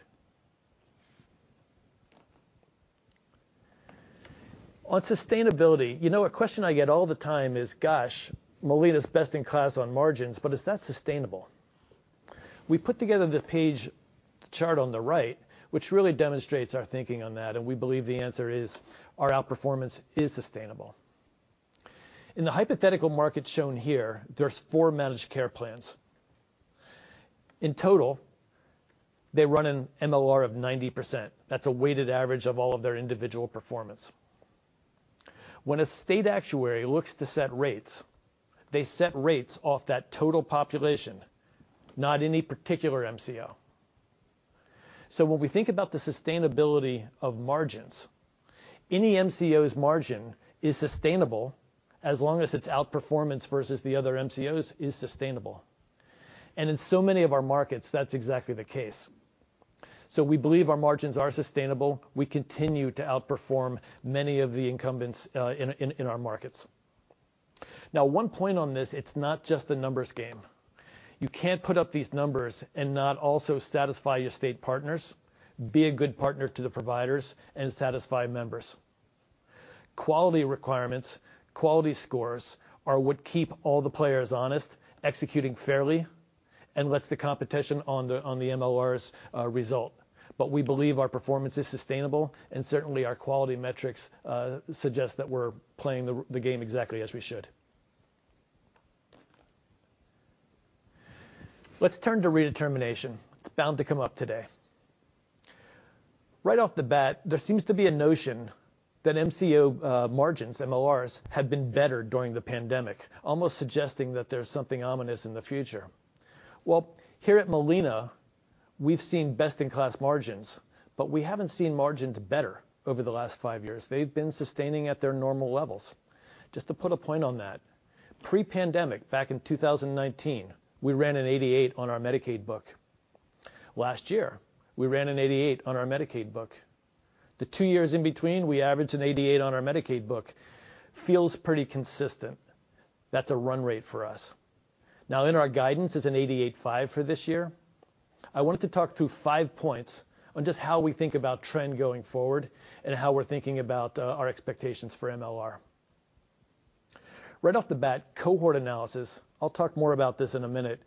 On sustainability, you know, a question I get all the time is, "Gosh, Molina's best in class on margins, but is that sustainable?" We put together the page chart on the right, which really demonstrates our thinking on that. We believe the answer is our outperformance is sustainable. In the hypothetical market shown here, there's four managed care plans. In total, they run an MLR of 90%. That's a weighted average of all of their individual performance. When a state actuary looks to set rates, they set rates off that total population, not any particular MCO. When we think about the sustainability of margins, any MCO's margin is sustainable as long as its outperformance versus the other MCOs is sustainable. In so many of our markets, that's exactly the case. We believe our margins are sustainable. We continue to outperform many of the incumbents, in our markets. 1 point on this, it's not just a numbers game. You can't put up these numbers and not also satisfy your state partners, be a good partner to the providers, and satisfy members. Quality requirements, quality scores are what keep all the players honest, executing fairly, and lets the competition on the MLRs result. We believe our performance is sustainable, and certainly our quality metrics suggest that we're playing the game exactly as we should. Let's turn to redetermination. It's bound to come up today. Right off the bat, there seems to be a notion that MCO margins, MLRs, have been better during the pandemic, almost suggesting that there's something ominous in the future. Well, here at Molina, we've seen best-in-class margins, we haven't seen margins better over the last five years. They've been sustaining at their normal levels. Just to put a point on that, pre-pandemic, back in 2019, we ran an 88 on our Medicaid book. Last year, we ran an 88 on our Medicaid book. The two years in between, we averaged an 88 on our Medicaid book. Feels pretty consistent. That's a run rate for us. Now, in our guidance is an 88.5 for this year. I wanted to talk through five points on just how we think about trend going forward and how we're thinking about our expectations for MLR. Right off the bat, cohort analysis. I'll talk more about this in a minute,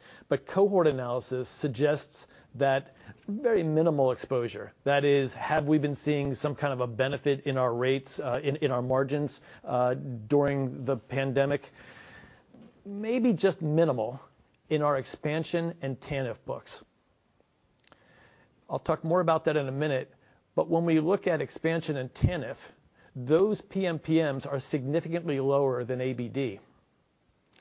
cohort analysis suggests that very minimal exposure, that is, have we been seeing some kind of a benefit in our rates, in our margins, during the pandemic. Maybe just minimal in our expansion and TANF books. I'll talk more about that in a minute. When we look at expansion and TANF, those PMPMs are significantly lower than ABD.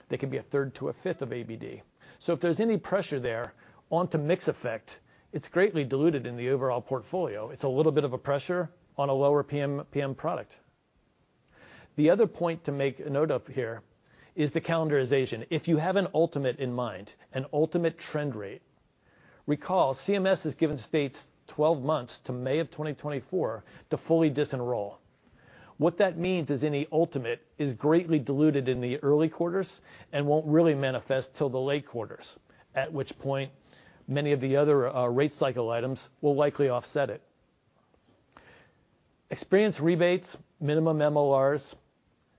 They can be a third to a fifth of ABD. If there's any pressure there onto mix effect, it's greatly diluted in the overall portfolio. It's a little bit of a pressure on a lower PMPM product. The other point to make a note of here is the calendarization. If you have an ultimate in mind, an ultimate trend rate, recall CMS has given states 12 months to May of 2024 to fully disenroll. What that means is any ultimate is greatly diluted in the early quarters and won't really manifest till the late quarters, at which point many of the other rate cycle items will likely offset it. Experience rebates, minimum MLRs,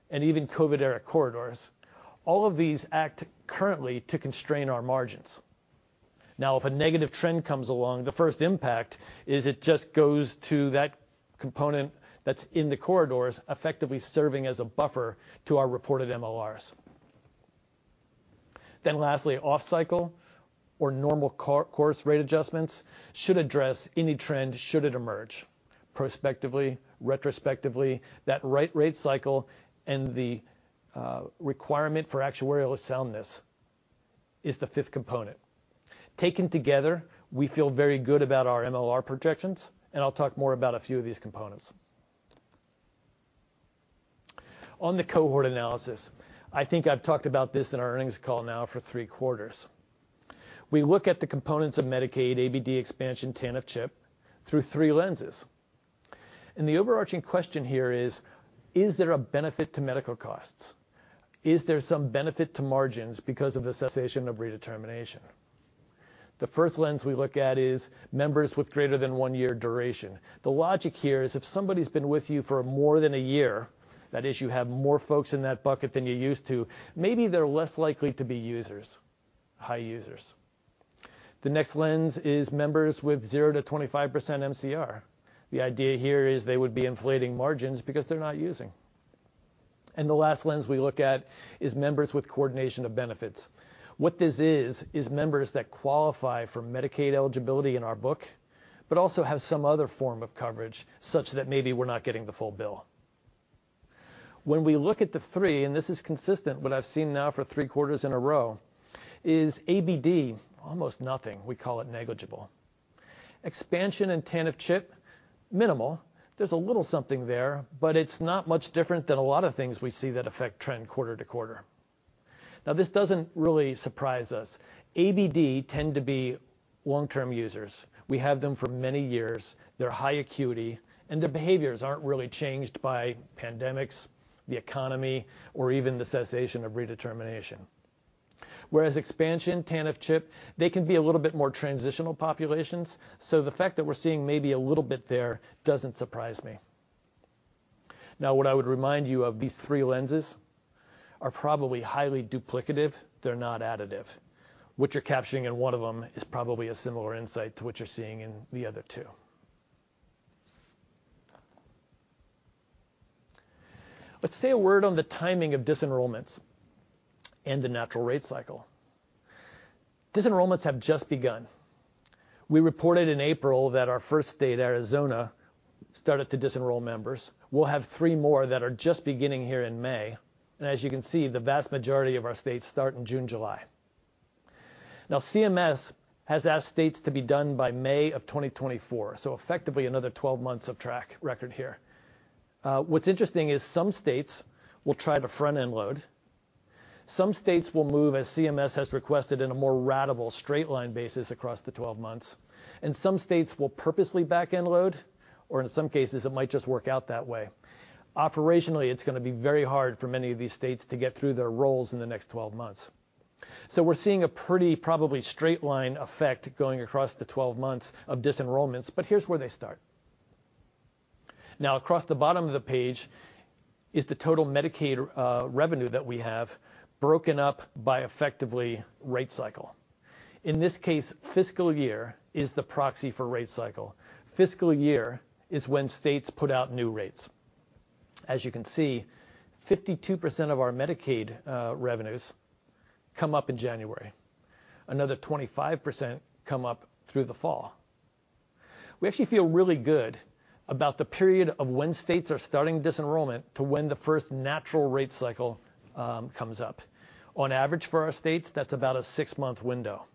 and even COVID era corridors, all of these act currently to constrain our margins. If a negative trend comes along, the first impact is it just goes to that component that's in the corridors, effectively serving as a buffer to our reported MLRs. Lastly, off-cycle or normal co-course rate adjustments should address any trend should it emerge. Prospectively, retrospectively, that right rate cycle and the requirement for actuarial soundness is the fifth component. Taken together, we feel very good about our MLR projections, and I'll talk more about a few of these components. The cohort analysis, I think I've talked about this in our earnings call now for three quarters. We look at the components of Medicaid, ABD expansion, TANF, CHIP through three lenses. The overarching question here is there a benefit to medical costs? Is there some benefit to margins because of the cessation of redetermination? The first lens we look at is members with greater than one-year duration. The logic here is if somebody's been with you for more than a year, that is you have more folks in that bucket than you used to, maybe they're less likely to be users, high users. The next lens is members with 0% to 25% MCR. The idea here is they would be inflating margins because they're not using. The last lens we look at is members with coordination of benefits. What this is members that qualify for Medicaid eligibility in our book, but also have some other form of coverage such that maybe we're not getting the full bill. When we look at the three, and this is consistent what I've seen now for three quarters in a row, is ABD, almost nothing. We call it negligible. Expansion and TANF CHIP, minimal. There's a little something there, but it's not much different than a lot of things we see that affect trend quarter to quarter. This doesn't really surprise us. ABD tend to be long-term users. We have them for many years. They're high acuity, and their behaviors aren't really changed by pandemics, the economy, or even the cessation of redetermination. Whereas expansion, TANF, CHIP, they can be a little bit more transitional populations. The fact that we're seeing maybe a little bit there doesn't surprise me. What I would remind you of these three lenses are probably highly duplicative. They're not additive. What you're capturing in one of them is probably a similar insight to what you're seeing in the other two. Let's say a word on the timing of disenrollments and the natural rate cycle. Disenrollments have just begun. We reported in April that our first state, Arizona, started to disenroll members. We'll have three more that are just beginning here in May. As you can see, the vast majority of our states start in June, July. CMS has asked states to be done by May of 2024, so effectively another 12 months of track record here. What's interesting is some states will try to front-end load. Some states will move as CMS has requested in a more ratable straight-line basis across the 12 months. Some states will purposely back-end load, or in some cases it might just work out that way. Operationally, it's gonna be very hard for many of these states to get through their rolls in the next 12 months. We're seeing a pretty probably straight-line effect going across the 12 months of disenrollments, but here's where they start. Across the bottom of the page is the total Medicaid revenue that we have broken up by effectively rate cycle. In this case, fiscal year is the proxy for rate cycle. Fiscal year is when states put out new rates. You can see, 52% of our Medicaid revenues come up in January. Another 25% come up through the fall. We actually feel really good about the period of when states are starting disenrollment to when the first natural rate cycle comes up. On average for our states, that's about a six-month window.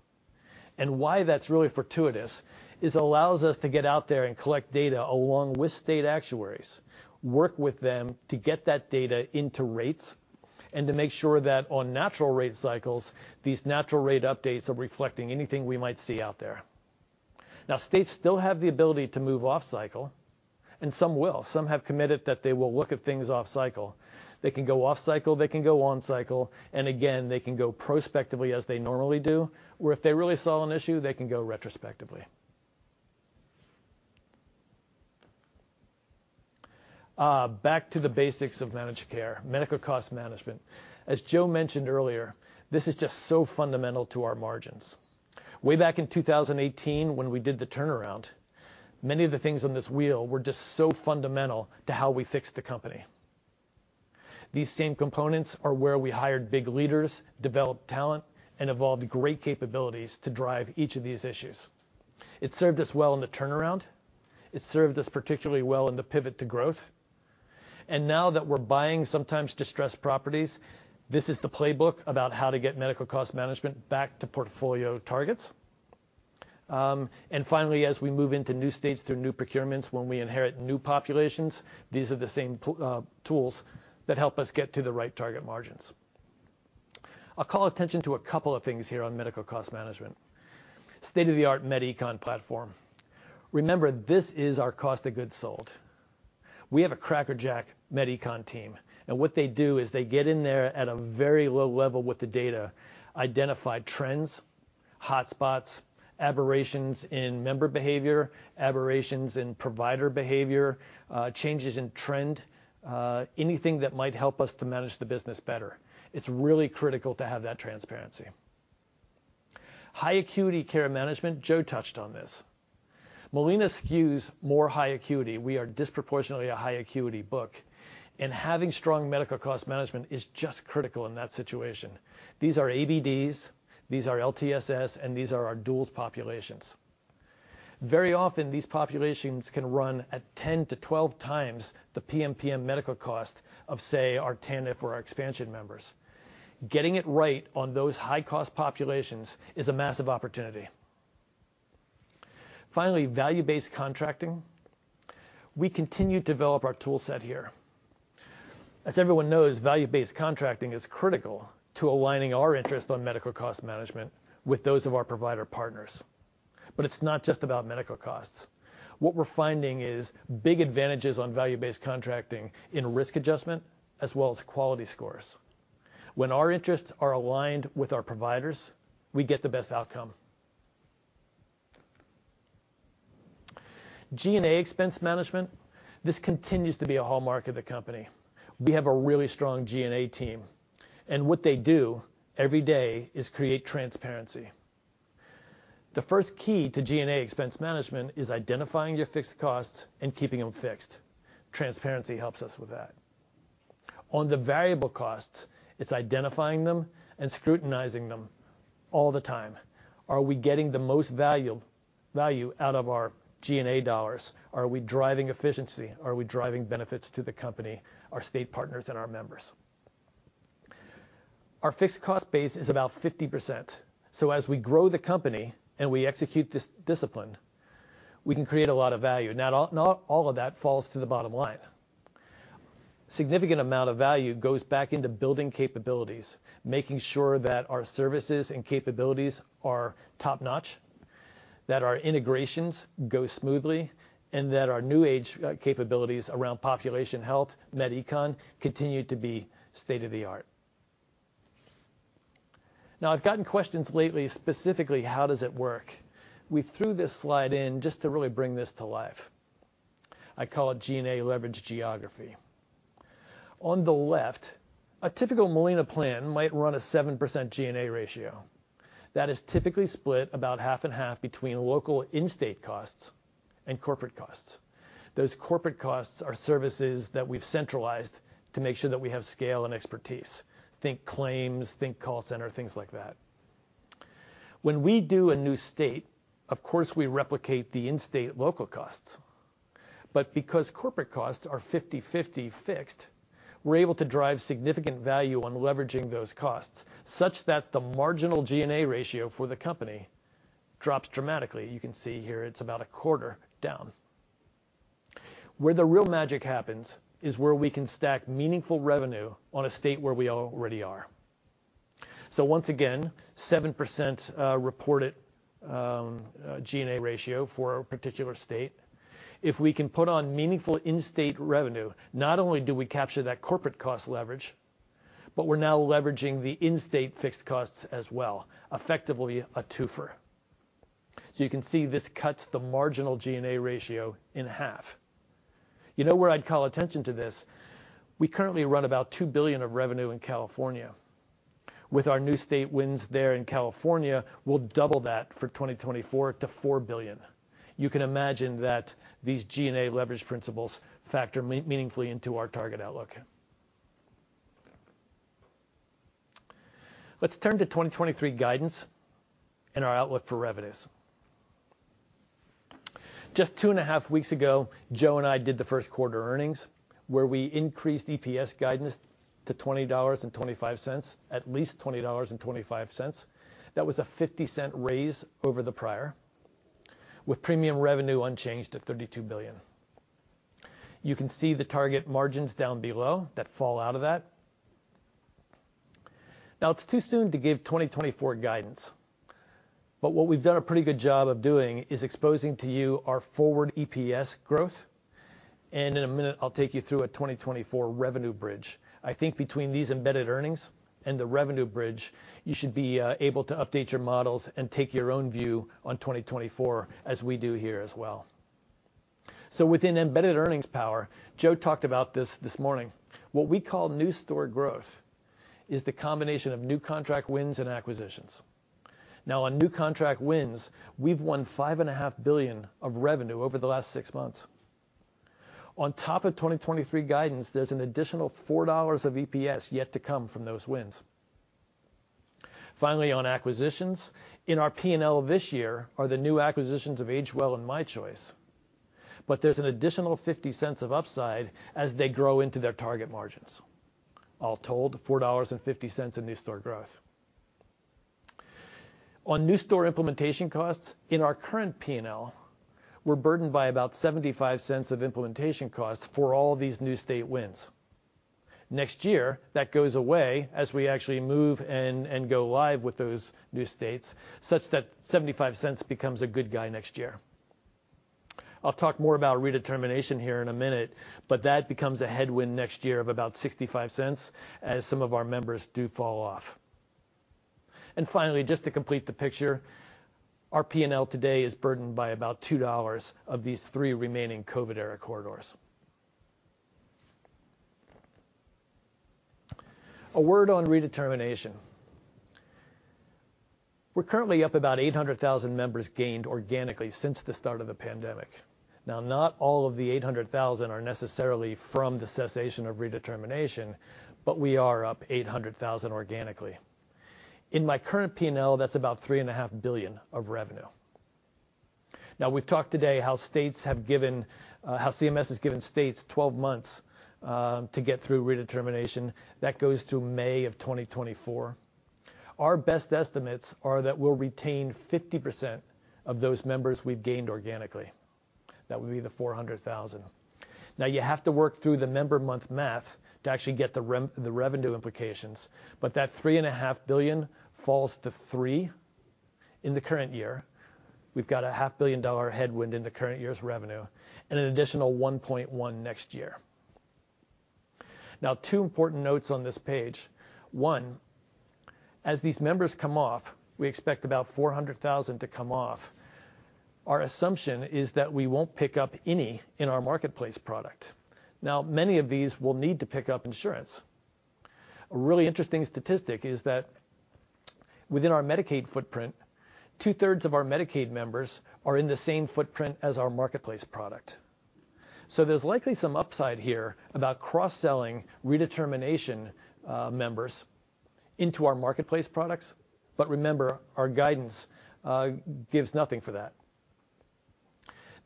Why that's really fortuitous is it allows us to get out there and collect data along with state actuaries, work with them to get that data into rates, and to make sure that on natural rate cycles, these natural rate updates are reflecting anything we might see out there. States still have the ability to move off cycle, and some will. Some have committed that they will look at things off cycle. They can go off cycle, they can go on cycle, and again, they can go prospectively as they normally do, where if they really saw an issue, they can go retrospectively. Back to the basics of managed care, medical cost management. As Joe mentioned earlier, this is just so fundamental to our margins. Way back in 2018 when we did the turnaround, many of the things on this wheel were just so fundamental to how we fixed the company. These same components are where we hired big leaders, developed talent, and evolved great capabilities to drive each of these issues. It served us well in the turnaround. It served us particularly well in the pivot to growth. Now that we're buying sometimes distressed properties, this is the playbook about how to get medical cost management back to portfolio targets. Finally, as we move into new states through new procurements, when we inherit new populations, these are the same tools that help us get to the right target margins. I'll call attention to a couple of things here on medical cost management. State-of-the-art Med Econ platform. Remember, this is our cost of goods sold. We have a crackerjack Med Econ team. What they do is they get in there at a very low level with the data, identify trends, hotspots, aberrations in member behavior, aberrations in provider behavior, changes in trend, anything that might help us to manage the business better. It's really critical to have that transparency. High acuity care management. Joe touched on this. Molina skews more high acuity. We are disproportionately a high acuity book. Having strong medical cost management is just critical in that situation. These are ABDs, these are LTSS. These are our duals populations. Very often, these populations can run at 10x to 12x the PMPM medical cost of, say, our TANF or our expansion members. Getting it right on those high-cost populations is a massive opportunity. Finally, value-based contracting. We continue to develop our toolset here. As everyone knows, value-based contracting is critical to aligning our interest on medical cost management with those of our provider partners. It's not just about medical costs. What we're finding is big advantages on value-based contracting in risk adjustment as well as quality scores. When our interests are aligned with our providers, we get the best outcome. G&A expense management. This continues to be a hallmark of the company. We have a really strong G&A team, and what they do every day is create transparency. The first key to G&A expense management is identifying your fixed costs and keeping them fixed. Transparency helps us with that. On the variable costs, it's identifying them and scrutinizing them all the time. Are we getting the most value out of our G&A dollars? Are we driving efficiency? Are we driving benefits to the company, our state partners, and our members? Our fixed cost base is about 50%. As we grow the company, and we execute this discipline, we can create a lot of value. Not all of that falls to the bottom line. Significant amount of value goes back into building capabilities, making sure that our services and capabilities are top-notch, that our integrations go smoothly, and that our new age capabilities around population health, Med Econ, continue to be state-of-the-art. I've gotten questions lately, specifically, how does it work? We threw this slide in just to really bring this to life. I call it G&A leveraged geography. On the left, a typical Molina plan might run a 7% G&A ratio. That is typically split about 50/50 between local in-state costs and corporate costs. Those corporate costs are services that we've centralized to make sure that we have scale and expertise. Think claims, think call center, things like that. When we do a new state, of course, we replicate the in-state local costs. Because corporate costs are 50/50 fixed, we're able to drive significant value on leveraging those costs, such that the marginal G&A ratio for the company drops dramatically. You can see here it's about a quarter down. Where the real magic happens is where we can stack meaningful revenue on a state where we already are. Once again, 7% reported G&A ratio for a particular state. If we can put on meaningful in-state revenue, not only do we capture that corporate cost leverage, but we're now leveraging the in-state fixed costs as well, effectively a twofer. You can see this cuts the marginal G&A ratio in half. You know where I'd call attention to this? We currently run about $2 billion of revenue in California. With our new state wins there in California, we'll double that for 2024 to $4 billion. You can imagine that these G&A leverage principles factor meaningfully into our target outlook. Let's turn to 2023 guidance and our outlook for revenues. Just two and a half weeks ago, Joe and I did the first quarter earnings, where we increased EPS guidance to $20.25, at least $20.25. That was a $0.50 raise over the prior, with premium revenue unchanged at $32 billion. You can see the target margins down below that fall out of that. It's too soon to give 2024 guidance, but what we've done a pretty good job of doing is exposing to you our forward EPS growth. In a minute, I'll take you through a 2024 revenue bridge. I think between these embedded earnings and the revenue bridge, you should be able to update your models and take your own view on 2024 as we do here as well. Within embedded earnings power, Joe talked about this this morning. What we call new store growth is the combination of new contract wins and acquisitions. On new contract wins, we've won $5.5 billion of revenue over the last six months. On top of 2023 guidance, there's an additional $4 of EPS yet to come from those wins. Finally, on acquisitions, in our P&L this year are the new acquisitions of AgeWell and My Choice, but there's an additional $0.50 of upside as they grow into their target margins. All told, $4.50 in new store growth. On new store implementation costs, in our current P&L, we're burdened by about $0.75 of implementation costs for all these new state wins. Next year, that goes away as we actually move and go live with those new states, such that $0.75 becomes a good guy next year. I'll talk more about redetermination here in a minute, but that becomes a headwind next year of about $0.65 as some of our members do fall off. Finally, just to complete the picture, our P&L today is burdened by about $2 of these three remaining COVID era corridors. A word on redetermination. We're currently up about 800,000 members gained organically since the start of the pandemic. Not all of the 800,000 are necessarily from the cessation of redetermination, but we are up 800,000 organically. In my current P&L, that's about three and a half billion of revenue. We've talked today how states have given how CMS has given states 12 months to get through redetermination. That goes to May of 2024. Our best estimates are that we'll retain 50% of those members we've gained organically. That would be the 400,000. You have to work through the member month math to actually get the revenue implications, but that 3.5 billion falls to 3 in the current year. We've got a $500 million headwind in the current year's revenue and an additional $1.1 billion next year. Two important notes on this page. One, as these members come off, we expect about 400,000 to come off. Our assumption is that we won't pick up any in our marketplace product. Many of these will need to pick up insurance. A really interesting statistic is that within our Medicaid footprint, 2/3 of our Medicaid members are in the same footprint as our marketplace product. There's likely some upside here about cross-selling redetermination members into our marketplace products, but remember, our guidance gives nothing for that.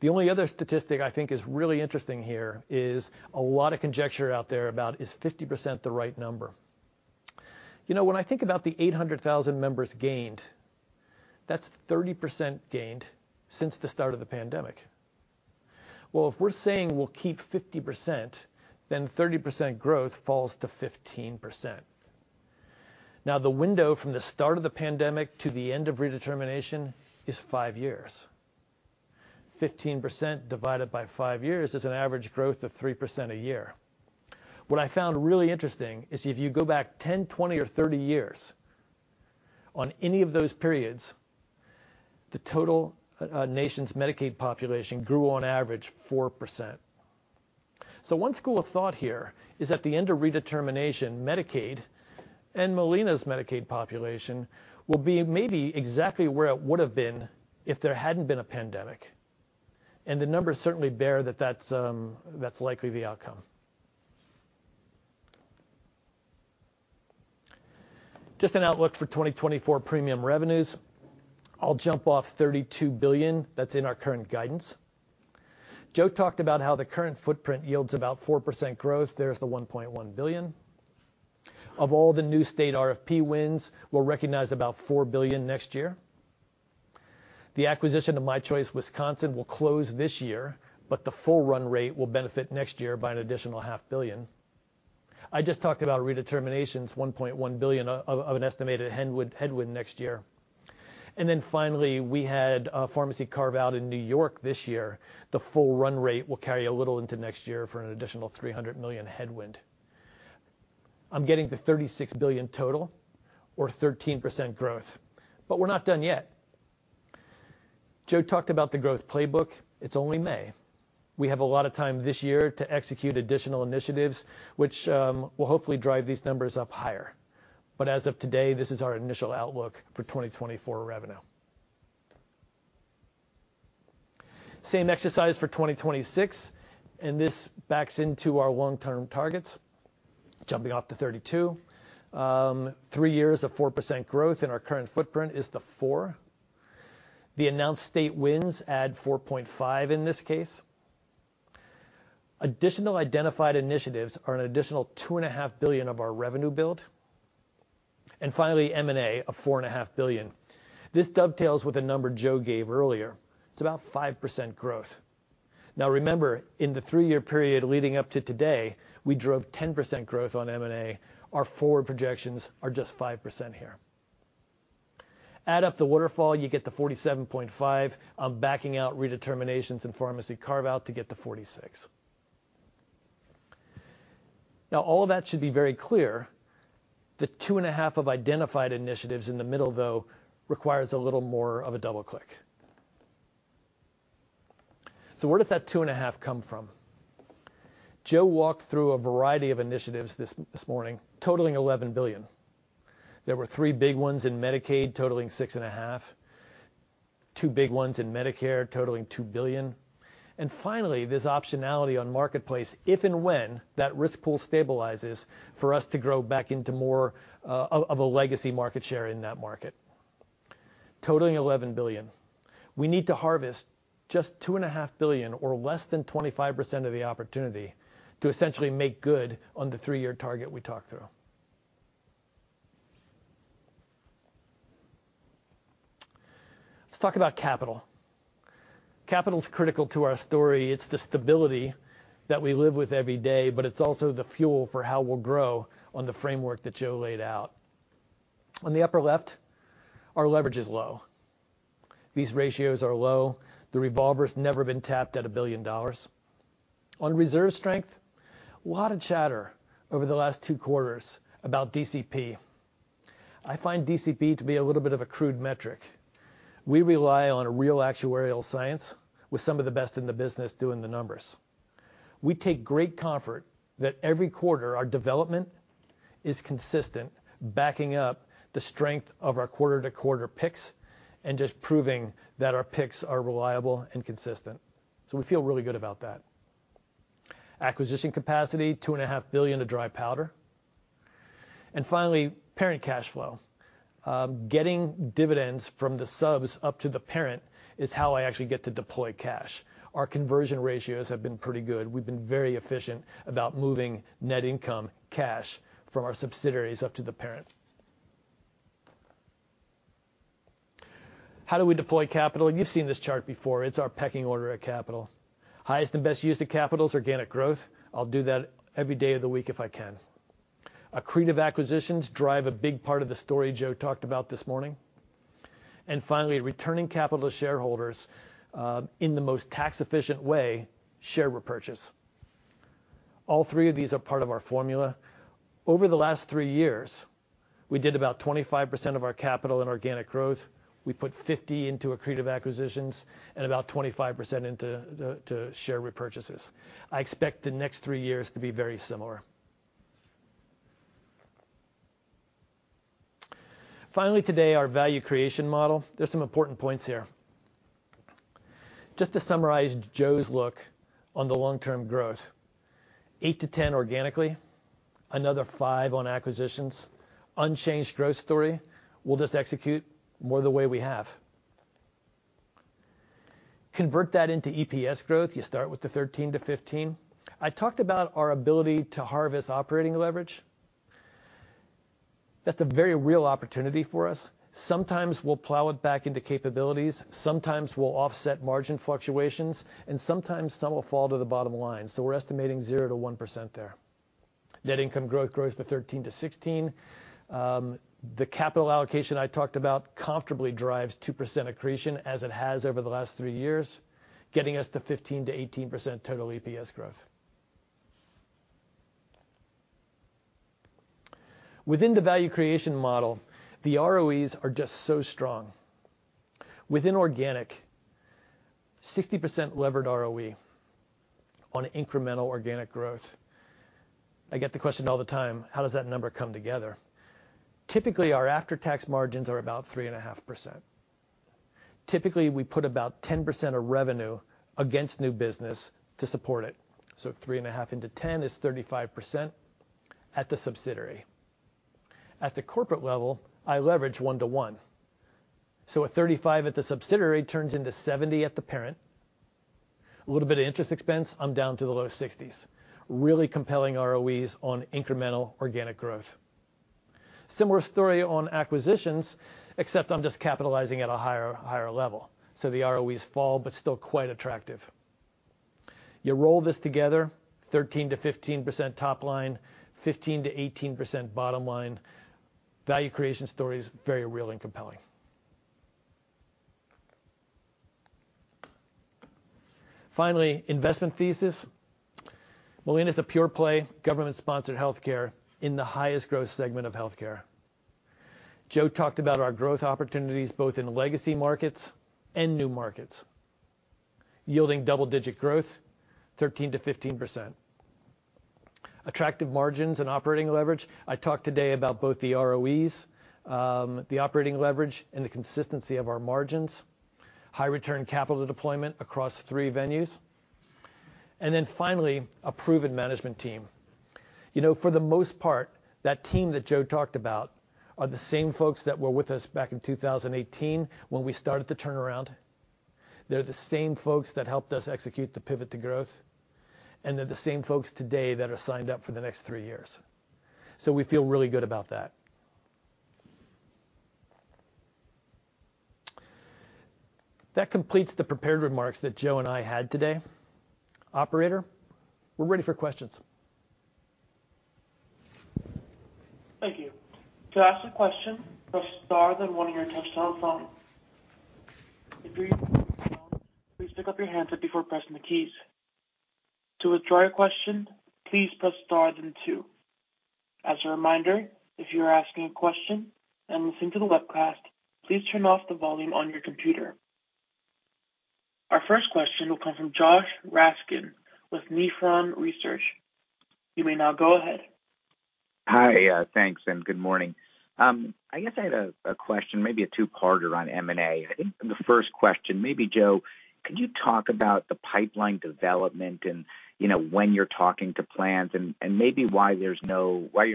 The only other statistic I think is really interesting here is a lot of conjecture out there about is 50% the right number. You know, when I think about the 800,000 members gained, that's 30% gained since the start of the pandemic. If we're saying we'll keep 50%, then 30% growth falls to 15%. The window from the start of the pandemic to the end of redetermination is five years. 15% divided by five years is an average growth of 3% a year. What I found really interesting is if you go back 10, 20 or 30 years, on any of those periods, the total nation's Medicaid population grew on average 4%. One school of thought here is at the end of redetermination, Medicaid and Molina's Medicaid population will be maybe exactly where it would have been if there hadn't been a pandemic. The numbers certainly bear that that's likely the outcome. Just an outlook for 2024 premium revenues. I'll jump off $32 billion. That's in our current guidance. Joe talked about how the current footprint yields about 4% growth. There's the $1.1 billion. Of all the new state RFP wins, we'll recognize about $4 billion next year. The acquisition of My Choice Wisconsin will close this year, but the full run rate will benefit next year by an additional $500 million. I just talked about redeterminations, $1.1 billion of an estimated headwind next year. Finally, we had a pharmacy carve-out in New York this year. The full run rate will carry a little into next year for an additional $300 million headwind. I'm getting to $36 billion total or 13% growth, but we're not done yet. Joe talked about the growth playbook. It's only May. We have a lot of time this year to execute additional initiatives, which will hopefully drive these numbers up higher. As of today, this is our initial outlook for 2024 revenue. Same exercise for 2026, this backs into our long-term targets. Jumping off to $32 billion. Three years of 4% growth in our current footprint is the $4 billion. The announced state wins add $4.5 billio in this case. Additional identified initiatives are an additional $2.5 billion of our revenue build. Finally, M&A of $4.5 billion. This dovetails with the number Joe gave earlier. It's about 5% growth. Remember, in the three-year period leading up to today, we drove 10% growth on M&A. Our forward projections are just 5% here. Add up the waterfall, you get the $47.5. I'm backing out redeterminations and pharmacy carve-out to get to $46. All of that should be very clear. The two and a half of identified initiatives in the middle, though, requires a little more of a double-click. Where does that $2.5 billion come from? Joe walked through a variety of initiatives this morning totaling $11 billion. There were three big ones in Medicaid totaling $6.5 billion, two big ones in Medicare totaling $2 billion, and finally, this optionality on Marketplace if and when that risk pool stabilizes for us to grow back into more of a legacy market share in that market. Totaling $11 billion. We need to harvest just $2.5 billion or less than 25% of the opportunity to essentially make good on the three-year target we talked through. Let's talk about capital. Capital's critical to our story. It's the stability that we live with every day, but it's also the fuel for how we'll grow on the framework that Joe laid out. On the upper left, our leverage is low. These ratios are low. The revolver's never been tapped at $1 billion. On reserve strength, a lot of chatter over the last two quarters about DCP. I find DCP to be a little bit of a crude metric. We rely on real actuarial science with some of the best in the business doing the numbers. We take great comfort that every quarter our development is consistent, backing up the strength of our quarter-to-quarter picks and just proving that our picks are reliable and consistent. We feel really good about that. Acquisition capacity, $2.5 billion of dry powder. Finally, parent cash flow. Getting dividends from the subs up to the parent is how I actually get to deploy cash. Our conversion ratios have been pretty good. We've been very efficient about moving net income cash from our subsidiaries up to the parent. How do we deploy capital? You've seen this chart before. It's our pecking order of capital. Highest and best use of capital is organic growth. I'll do that every day of the week if I can. Accretive acquisitions drive a big part of the story Joe talked about this morning. Finally, returning capital to shareholders, in the most tax efficient way, share repurchase. All three of these are part of our formula. Over the last three years, we did about 25% of our capital in organic growth. We put 50% into accretive acquisitions and about 25% into share repurchases. I expect the next three years to be very similar. Finally today, our value creation model. There's some important points here. Just to summarize Joe's look on the long-term growth. 8%-10% organically, another five on acquisitions, unchanged growth story. We'll just execute more the way we have. Convert that into EPS growth. You start with the 13%-15%. I talked about our ability to harvest operating leverage. That's a very real opportunity for us. Sometimes we'll plow it back into capabilities, sometimes we'll offset margin fluctuations. Sometimes some will fall to the bottom line. We're estimating 0%-1% there. Net income growth grows to 13%-16%. The capital allocation I talked about comfortably drives 2% accretion as it has over the last three years, getting us to 15%-18% total EPS growth. Within the value creation model, the ROEs are just so strong. Within organic, 60% levered ROE on incremental organic growth. I get the question all the time, how does that number come together? Typically, our after-tax margins are about 3.5%. Typically, we put about 10% of revenue against new business to support it. 3.5% into 10% is 35% at the subsidiary. At the corporate level, I leverage 1-1. A 35% at the subsidiary turns into 70% at the parent. A little bit of interest expense, I'm down to the low 60%s. Really compelling ROEs on incremental organic growth. Similar story on acquisitions, except I'm just capitalizing at a higher level. The ROEs fall, but still quite attractive. You roll this together, 13%-15% top line, 15%-18% bottom line. Value creation story is very real and compelling. Investment thesis. Molina is a pure play government-sponsored healthcare in the highest growth segment of healthcare. Joe talked about our growth opportunities both in legacy markets and new markets, yielding double-digit growth, 13%-15%. Attractive margins and operating leverage. I talked today about both the ROEs, the operating leverage, and the consistency of our margins. High return capital deployment across three venues. Finally, a proven management team. You know, for the most part, that team that Joe talked about are the same folks that were with us back in 2018 when we started the turnaround. They're the same folks that helped us execute the pivot to growth, they're the same folks today that are signed up for the next three years. We feel really good about that. That completes the prepared remarks that Joe and I had today. Operator, we're ready for questions. Thank you. To ask a question, press star then one on your touchtone phone. If you're using phone, please pick up your handset before pressing the keys. To withdraw your question, please press star then two. As a reminder, if you're asking a question and listening to the webcast, please turn off the volume on your computer. Our first question will come from Josh Raskin with Nephron Research. You may now go ahead. Hi. Thanks, and good morning. I guess I had a question, maybe a two-parter on M&A. I think the first question, maybe, Joe, could you talk about the pipeline development and, you know, when you're talking to plans and maybe why you're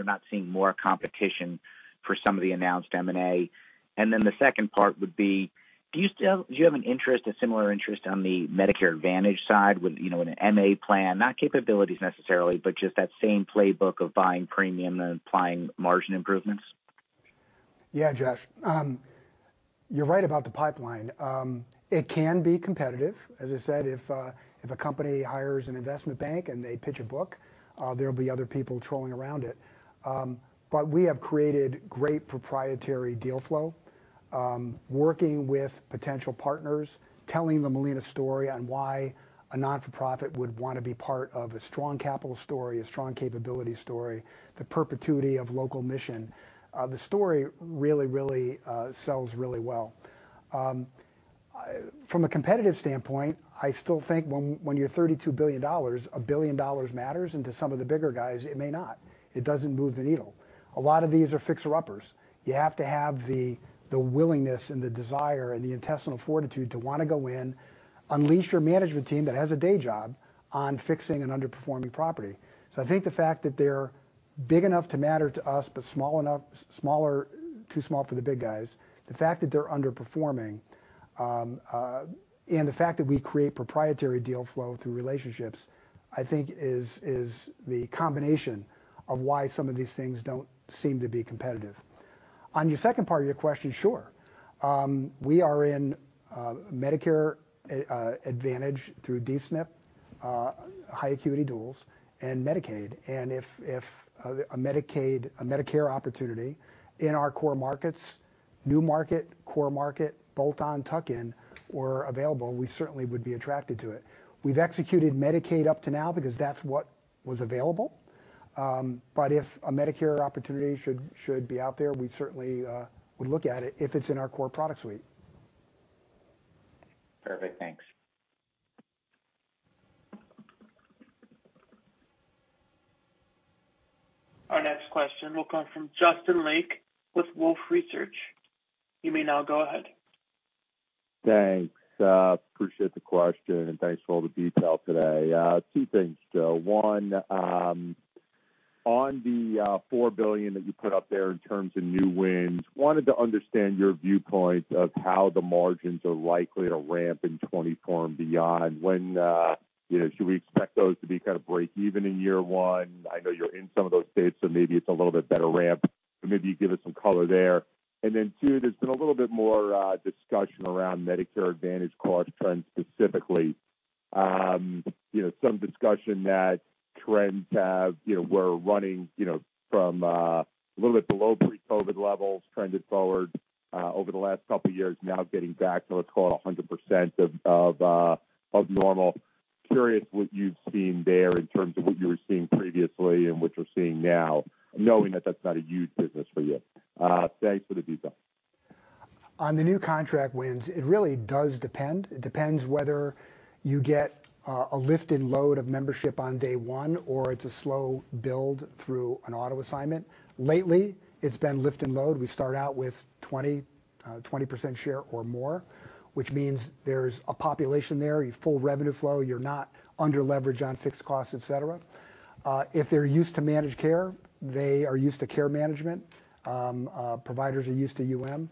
not seeing more competition for some of the announced M&A. The second part would be, do you still have an interest, a similar interest on the Medicare Advantage side with, you know, an MA plan? Not capabilities necessarily, but just that same playbook of buying premium and applying margin improvements. Yeah, Josh. You're right about the pipeline. It can be competitive. As I said, if a company hires an investment bank and they pitch a book, there'll be other people trolling around it. We have created great proprietary deal flow, working with potential partners, telling the Molina story on why a not-for-profit would wanna be part of a strong capital story, a strong capability story, the perpetuity of local mission. The story really sells really well. From a competitive standpoint, I still think when you're $32 billion, $1 billion matters, and to some of the bigger guys, it may not. It doesn't move the needle. A lot of these are fixer-uppers. You have to have the willingness and the desire and the intestinal fortitude to wanna go in, unleash your management team that has a day job on fixing an underperforming property. I think the fact that they're big enough to matter to us, but small enough, too small for the big guys, the fact that they're underperforming, and the fact that we create proprietary deal flow through relationships, I think is the combination of why some of these things don't seem to be competitive. On your second part of your question, sure. We are in Medicare Advantage through D-SNP, high acuity duals and Medicaid. If a Medicare opportunity in our core markets, new market, core market, bolt-on, tuck-in were available, we certainly would be attracted to it. We've executed Medicaid up to now because that's what was available. If a Medicare opportunity should be out there, we certainly would look at it if it's in our core product suite. Perfect. Thanks. Our next question will come from Justin Lake with Wolfe Research. You may now go ahead. Thanks. Appreciate the question, and thanks for all the detail today. Two things, Joe. One, on the $4 billion that you put up there in terms of new wins, wanted to understand your viewpoint of how the margins are likely to ramp in 2024 and beyond. When, you know, should we expect those to be kind of breakeven in year one? I know you're in some of those states, so maybe it's a little bit better ramp. Maybe you give us some color there. Then two, there's been a little bit more discussion around Medicare Advantage cost trends specifically. You know, some discussion that trends have, you know, were running, you know, from a little bit below pre-COVID levels, trended forward over the last couple years, now getting back to, let's call it, 100% of normal. Curious what you've seen there in terms of what you were seeing previously and what you're seeing now, knowing that that's not a huge business for you. Thanks for the detail. On the new contract wins, it really does depend. It depends whether you get a lift and load of membership on day one, or it's a slow build through an auto assignment. Lately, it's been lift and load. We start out with 20% share or more, which means there's a population there, a full revenue flow. You're not under leverage on fixed costs, etc. If they're used to managed care, they are used to care management. Providers are used to UM.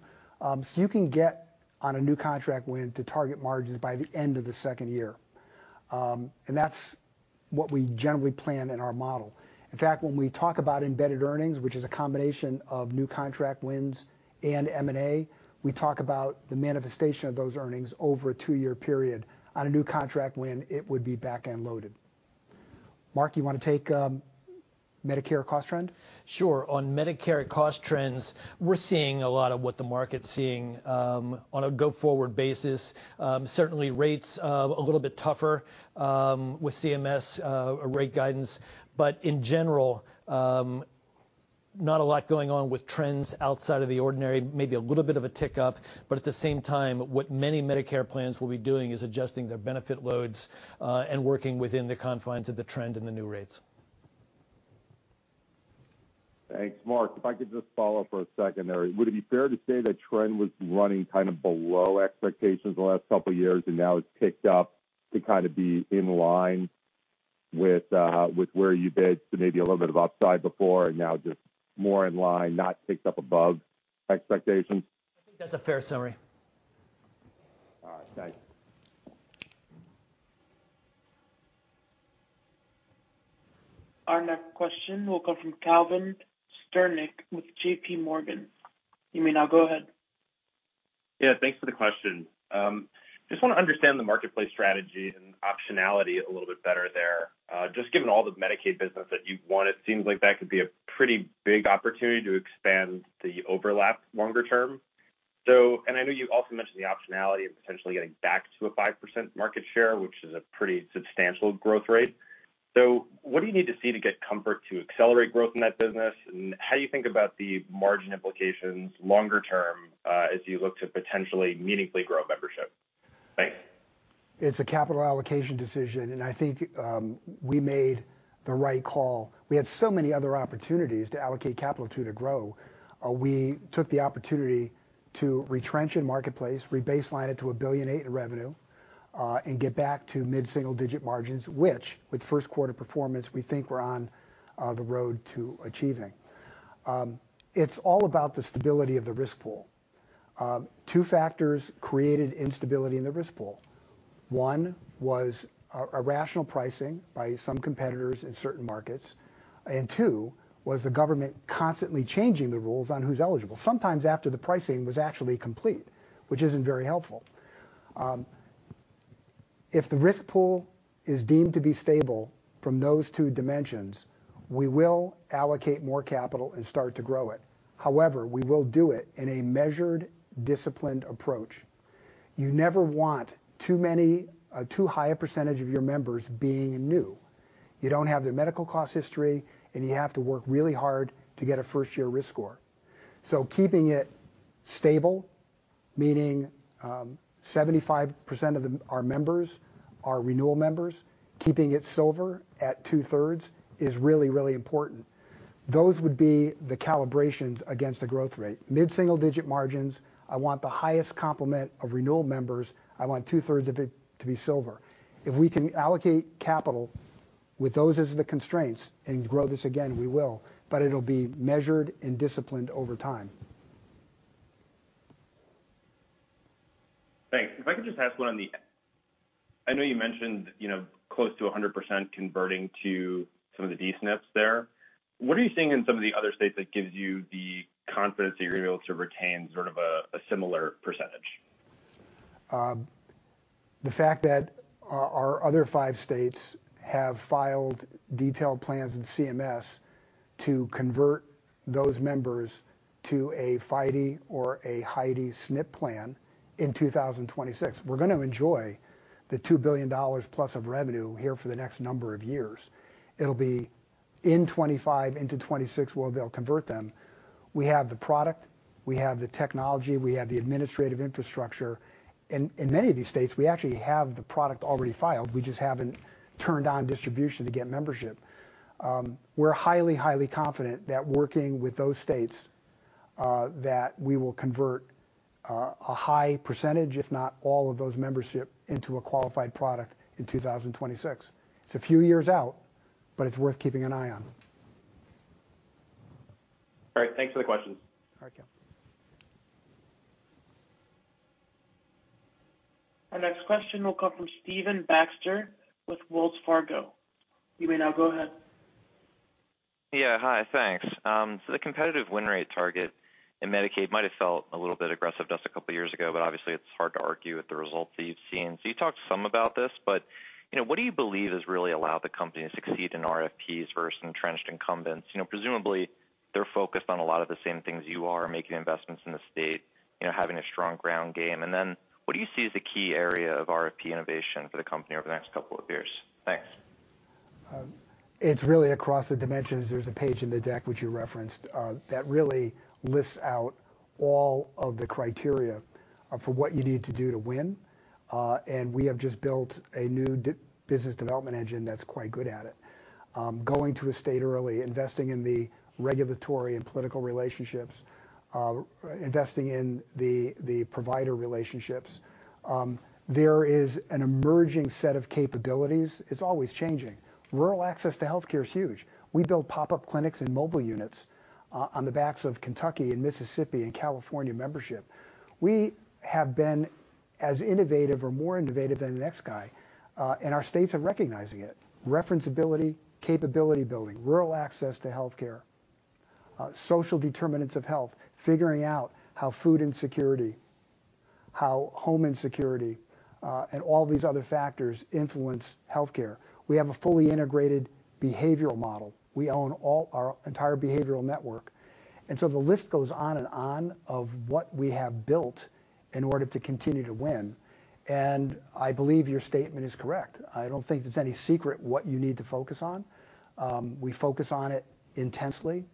You can get on a new contract win to target margins by the end of the second year. That's what we generally plan in our model. In fact, when we talk about embedded earnings, which is a combination of new contract wins and M&A, we talk about the manifestation of those earnings over a two-year period. On a new contract win, it would be back-end loaded. Mark, you wanna take Medicare cost trend? Sure. On Medicare cost trends, we're seeing a lot of what the market's seeing, on a go-forward basis. Certainly rates, a little bit tougher, with CMS rate guidance. In general, not a lot going on with trends outside of the ordinary. Maybe a little bit of a tick up, but at the same time, what many Medicare plans will be doing is adjusting their benefit loads, and working within the confines of the trend and the new rates. Thanks. Mark, if I could just follow up for a second there. Would it be fair to say that trend was running kind of below expectations the last couple years, and now it's ticked up to kind of be in line with where you bid, so maybe a little bit of upside before and now just more in line, not ticked up above expectations? I think that's a fair summary. All right. Thanks. Our next question will come from Calvin Sternick with JPMorgan. You may now go ahead. Yeah, thanks for the question. Just wanna understand the marketplace strategy and optionality a little bit better there. Just given all the Medicaid business that you've won, it seems like that could be a pretty big opportunity to expand the overlap longer term. I know you also mentioned the optionality of potentially getting back to a 5% market share, which is a pretty substantial growth rate. What do you need to see to get comfort to accelerate growth in that business? How do you think about the margin implications longer term, as you look to potentially meaningfully grow membership? Thanks. It's a capital allocation decision, I think we made the right call. We had so many other opportunities to allocate capital to grow. We took the opportunity to retrench in Marketplace, rebaseline it to $1.8 billion in revenue, and get back to mid-single-digit margins, which with first quarter performance, we think we're on the road to achieving. It's all about the stability of the risk pool. Two factors created instability in the risk pool. One was irrational pricing by some competitors in certain markets, and two was the government constantly changing the rules on who's eligible, sometimes after the pricing was actually complete, which isn't very helpful. If the risk pool is deemed to be stable from those two dimensions, we will allocate more capital and start to grow it. However, we will do it in a measured, disciplined approach. You never want too many, a too high a percentage of your members being new. You don't have their medical cost history, and you have to work really hard to get a first-year risk score. Keeping it stable, meaning, 75% of them are renewal members, keeping it silver at 2/3 is really, really important. Those would be the calibrations against the growth rate. Mid-single digit margins, I want the highest complement of renewal members, I want 2/3 of it to be silver. If we can allocate capital with those as the constraints and grow this again, we will, but it'll be measured and disciplined over time. Thanks. If I could just ask one. I know you mentioned, you know, close to 100% converting to some of the D-SNPs there. What are you seeing in some of the other states that gives you the confidence that you're able to retain sort of a similar percentage? The fact that our other five states have filed detailed plans with CMS to convert those members to a FIDE or a HIDE SNP plan in 2026. We're gonna enjoy the $2 billion+ of revenue here for the next number of years. It'll be in 2025 into 2026 where they'll convert them. We have the product, we have the technology, we have the administrative infrastructure, and in many of these states, we actually have the product already filed, we just haven't turned on distribution to get membership. We're highly confident that working with those states that we will convert a high percentage, if not all of those membership into a qualified product in 2026. It's a few years out, but it's worth keeping an eye on. All right. Thanks for the questions. All right. Our next question will come from Stephen Baxter with Wells Fargo. You may now go ahead. Yeah. Hi, thanks. The competitive win rate target in Medicaid might have felt a little bit aggressive just two years ago, obviously, it's hard to argue with the results that you've seen. You talked some about this, but, you know, what do you believe has really allowed the company to succeed in RFPs versus entrenched incumbents? You know, presumably they're focused on a lot of the same things you are, making investments in the state, you know, having a strong ground game. What do you see as the key area of RFP innovation for the company over the next two years? Thanks. It's really across the dimensions. There's a page in the deck which you referenced, that really lists out all of the criteria, for what you need to do to win. We have just built a new business development engine that's quite good at it. Going to a state early, investing in the regulatory and political relationships, investing in the provider relationships. There is an emerging set of capabilities. It's always changing. Rural access to healthcare is huge. We build pop-up clinics and mobile units, on the backs of Kentucky and Mississippi and California membership. We have been as innovative or more innovative than the next guy, our states are recognizing it. Referenceability, capability building, rural access to healthcare, social determinants of health, figuring out how food insecurity, how home insecurity, and all these other factors influence healthcare. We have a fully integrated behavioral model. We own all our entire behavioral network. The list goes on and on of what we have built in order to continue to win. I believe your statement is correct. I don't think it's any secret what you need to focus on. We focus on it intensely,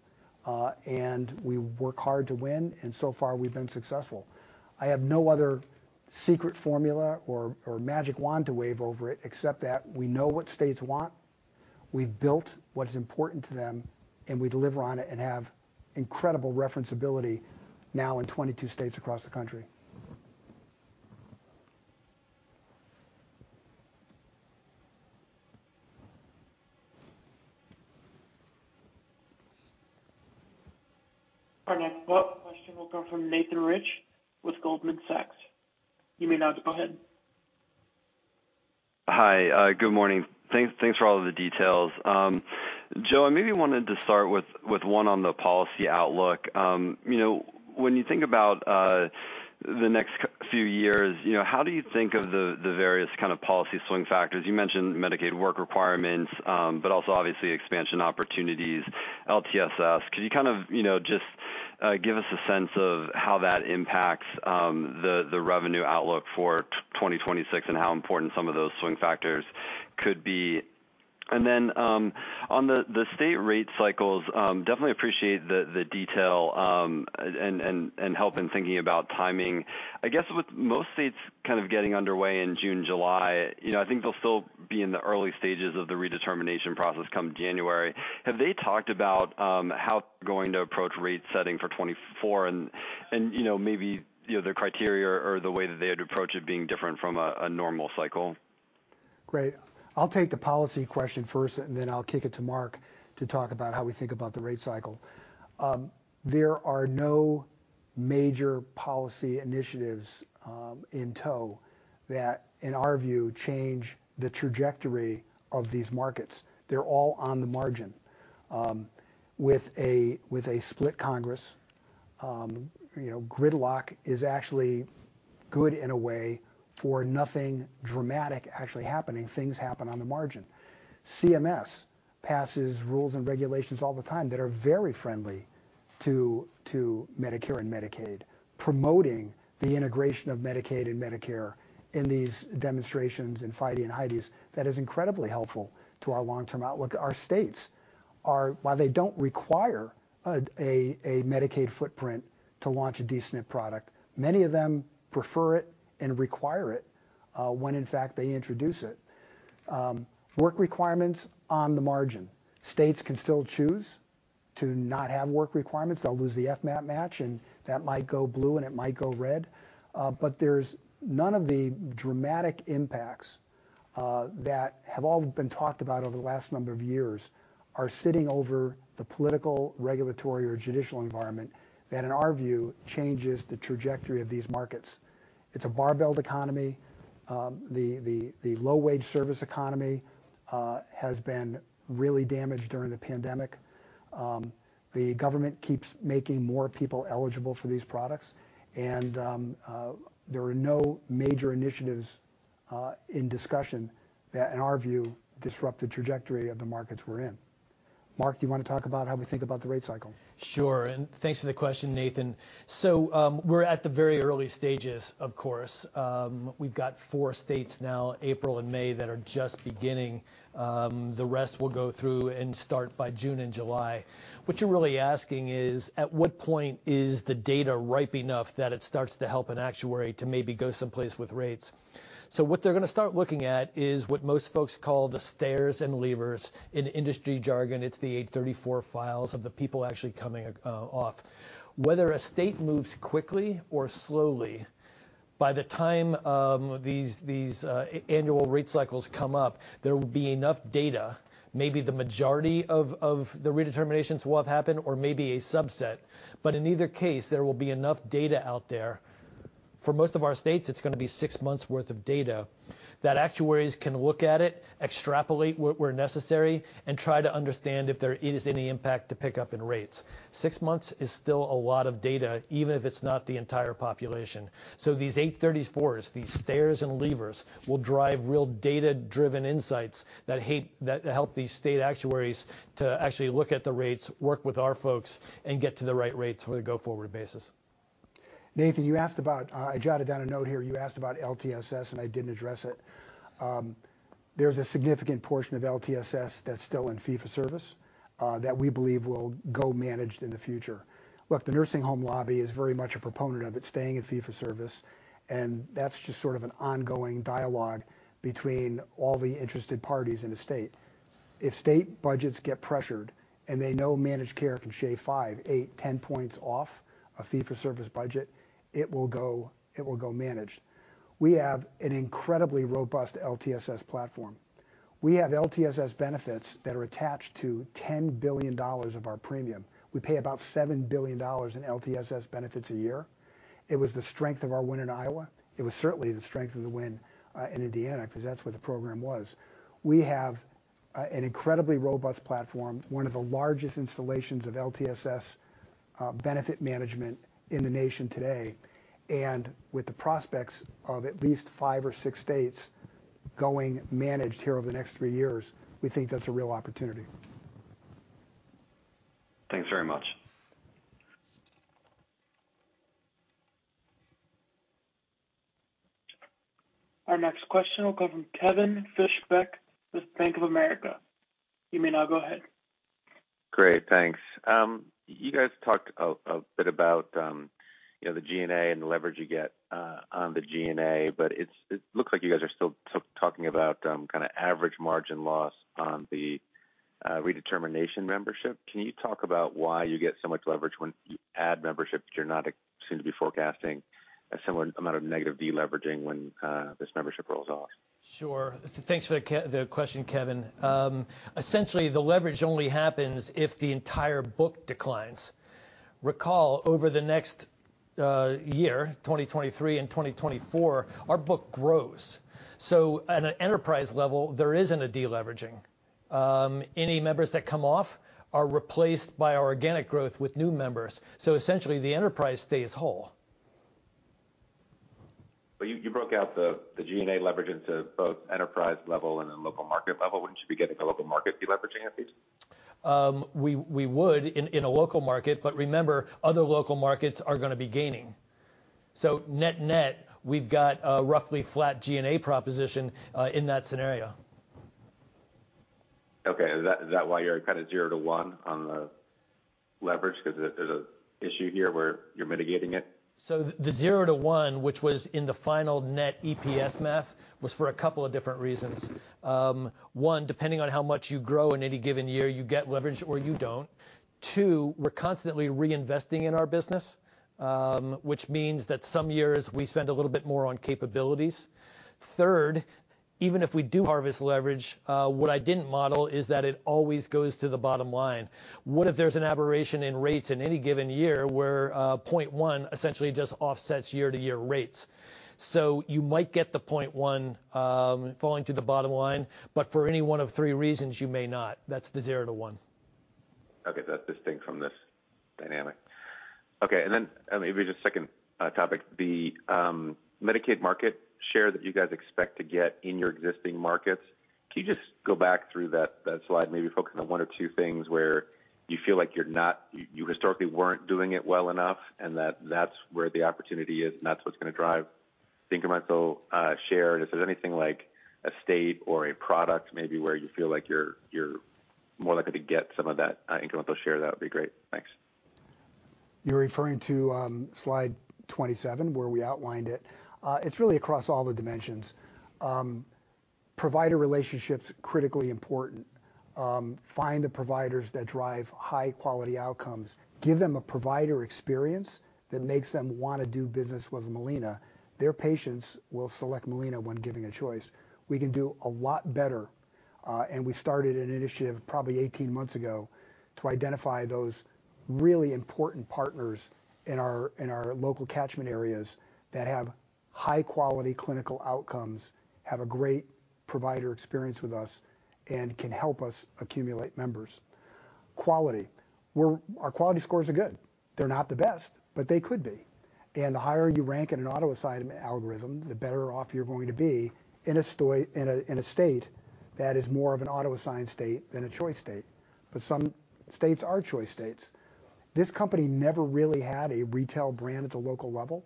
and we work hard to win, and so far we've been successful. I have no other secret formula or magic wand to wave over it except that we know what states want, we've built what is important to them, and we deliver on it and have incredible referenceability now in 22 states across the country. Our next question will come from Nathan Rich with Goldman Sachs. You may now go ahead. Hi. Good morning. Thanks for all of the details. Joe, I maybe wanted to start with one on the policy outlook. You know, when you think about the next few years, you know, how do you think of the various kind of policy swing factors? You mentioned Medicaid work requirements, but also obviously expansion opportunities, LTSS. Can you kind of, you know. Give us a sense of how that impacts the revenue outlook for 2026, and how important some of those swing factors could be. On the state rate cycles, definitely appreciate the detail and help in thinking about timing. I guess with most states kind of getting underway in June, July, you know, I think they'll still be in the early stages of the redetermination process come January. Have they talked about how they're going to approach rate setting for 2024 and, you know, maybe, you know, the criteria or the way that they'd approach it being different from a normal cycle? Great. I'll take the policy question first, and then I'll kick it to Mark to talk about how we think about the rate cycle. There are no major policy initiatives in tow that, in our view, change the trajectory of these markets. They're all on the margin. With a split Congress, you know, gridlock is actually good in a way for nothing dramatic actually happening. Things happen on the margin. CMS passes rules and regulations all the time that are very friendly to Medicare and Medicaid, promoting the integration of Medicaid and Medicare in these demonstrations in FIDES and HIDES that is incredibly helpful to our long-term outlook. Our states, while they don't require a Medicaid footprint to launch a D-SNP product, many of them prefer it and require it when in fact they introduce it. Work requirements on the margin. States can still choose to not have work requirements. They'll lose the FMAP match, and that might go blue, and it might go red. There's none of the dramatic impacts that have all been talked about over the last number of years are sitting over the political, regulatory, or judicial environment that in our view changes the trajectory of these markets. It's a barbelled economy. The low-wage service economy has been really damaged during the pandemic. The government keeps making more people eligible for these products. There are no major initiatives in discussion that in our view disrupt the trajectory of the markets we're in. Mark, do you wanna talk about how we think about the rate cycle? Thanks for the question, Nathan. We're at the very early stages, of course. We've got four states now, April and May, that are just beginning. The rest will go through and start by June and July. What you're really asking is, at what point is the data ripe enough that it starts to help an actuary to maybe go someplace with rates? What they're gonna start looking at is what most folks call the stairs and levers. In industry jargon, it's the 834 files of the people actually coming off. Whether a state moves quickly or slowly, by the time these annual rate cycles come up, there will be enough data, maybe the majority of the redeterminations will have happened or maybe a subset, but in either case, there will be enough data out there. For most of our states, it's gonna be six months worth of data that actuaries can look at it, extrapolate where necessary, and try to understand if there is any impact to pick up in rates. Six months is still a lot of data, even if it's not the entire population. These 834s, these stairs and levers, will drive real data-driven insights that help these state actuaries to actually look at the rates, work with our folks, and get to the right rates on a go-forward basis. Nathan, you asked about, I jotted down a note here. You asked about LTSS, and I didn't address it. There's a significant portion of LTSS that's still in fee-for-service, that we believe will go managed in the future. Look, the nursing home lobby is very much a proponent of it staying in fee-for-service, and that's just sort of an ongoing dialogue between all the interested parties in the state. If state budgets get pressured and they know managed care can shave 5, 8, 10 points off a fee-for-service budget, it will go managed. We have an incredibly robust LTSS platform. We have LTSS benefits that are attached to $10 billion of our premium. We pay about $7 billion in LTSS benefits a year. It was the strength of our win in Iowa. It was certainly the strength of the win in Indiana, 'cause that's where the program was. We have an incredibly robust platform, one of the largest installations of LTSS benefit management in the nation today. With the prospects of at least five or six states going managed here over the next three years, we think that's a real opportunity. Thanks very much. Our next question will come from Kevin Fischbeck with Bank of America. You may now go ahead. Great. Thanks. You guys talked a bit about, you know, the G&A and the leverage you get on the G&A, but it looks like you guys are still talking about kinda average margin loss on the redetermination membership. Can you talk about why you get so much leverage when you add membership, but you're not soon to be forecasting a similar amount of negative deleveraging when this membership rolls off? Sure. Thanks for the question, Kevin. Essentially the leverage only happens if the entire book declines. Recall over the next year, 2023 and 2024, our book grows. At an enterprise level, there isn't a deleveraging. Any members that come off are replaced by our organic growth with new members. Essentially the enterprise stays whole. You broke out the G&A leverage into both enterprise level and then local market level. Wouldn't you be getting the local market deleveraging at least? We would in a local market, Remember other local markets are gonna be gaining. Net-net, we've got a roughly flat G&A proposition in that scenario. Okay. Is that why you're kind of 0 to 1 on the leverage 'cause there's an issue here where you're mitigating it? The zero to one, which was in the final net EPS math, was for a couple of different reasons. One, depending on how much you grow in any given year, you get leverage or you don't. Two, we're constantly reinvesting in our business, which means that some years we spend a little bit more on capabilities. Third, even if we do harvest leverage, what I didn't model is that it always goes to the bottom line. What if there's an aberration in rates in any given year where 0.1 essentially just offsets year-to-year rates? You might get the 0.1, falling to the bottom line, but for any one of three reasons, you may not. That's the zero to one. Okay. That's distinct from this dynamic. Okay. Maybe just second topic. The Medicaid market share that you guys expect to get in your existing markets, can you just go back through that slide, maybe focus on one or two things where you feel like you historically weren't doing it well enough, and that's where the opportunity is, and that's what's gonna drive the incremental share? Is there anything like a state or a product maybe where you feel like you're more likely to get some of that incremental share, that would be great. Thanks. You're referring to slide 27 where we outlined it. It's really across all the dimensions. Provider relationships, critically important. Find the providers that drive high-quality outcomes. Give them a provider experience that makes them wanna do business with Molina. Their patients will select Molina when given a choice. We can do a lot better, and we started an initiative probably 18 months ago to identify those really important partners in our local catchment areas that have high-quality clinical outcomes, have a great provider experience with us, and can help us accumulate members. Quality. Our quality scores are good. They're not the best, they could be. The higher you rank in an auto assignment algorithm, the better off you're going to be in a state that is more of an auto-assigned state than a choice state, but some states are choice states. This company never really had a retail brand at the local level.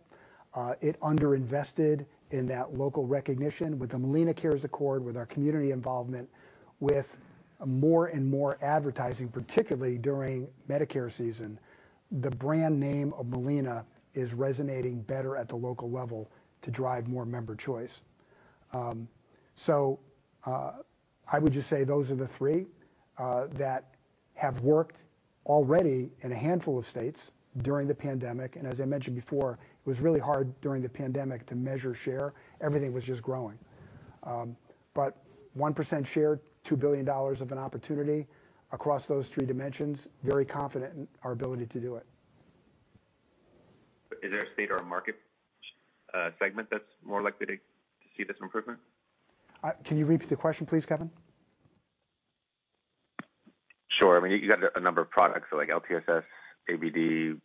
It underinvested in that local recognition. With the MolinaCares Accord, with our community involvement, with more and more advertising, particularly during Medicare season, the brand name of Molina is resonating better at the local level to drive more member choice. So, I would just say those are the three that have worked already in a handful of states during the pandemic. As I mentioned before, it was really hard during the pandemic to measure share. Everything was just growing. 1% share, $2 billion of an opportunity across those three dimensions, very confident in our ability to do it. Is there a state or a market segment that's more likely to see this improvement? Can you repeat the question please, Kevin? Sure. I mean, you got a number of products like LTSS, ABD,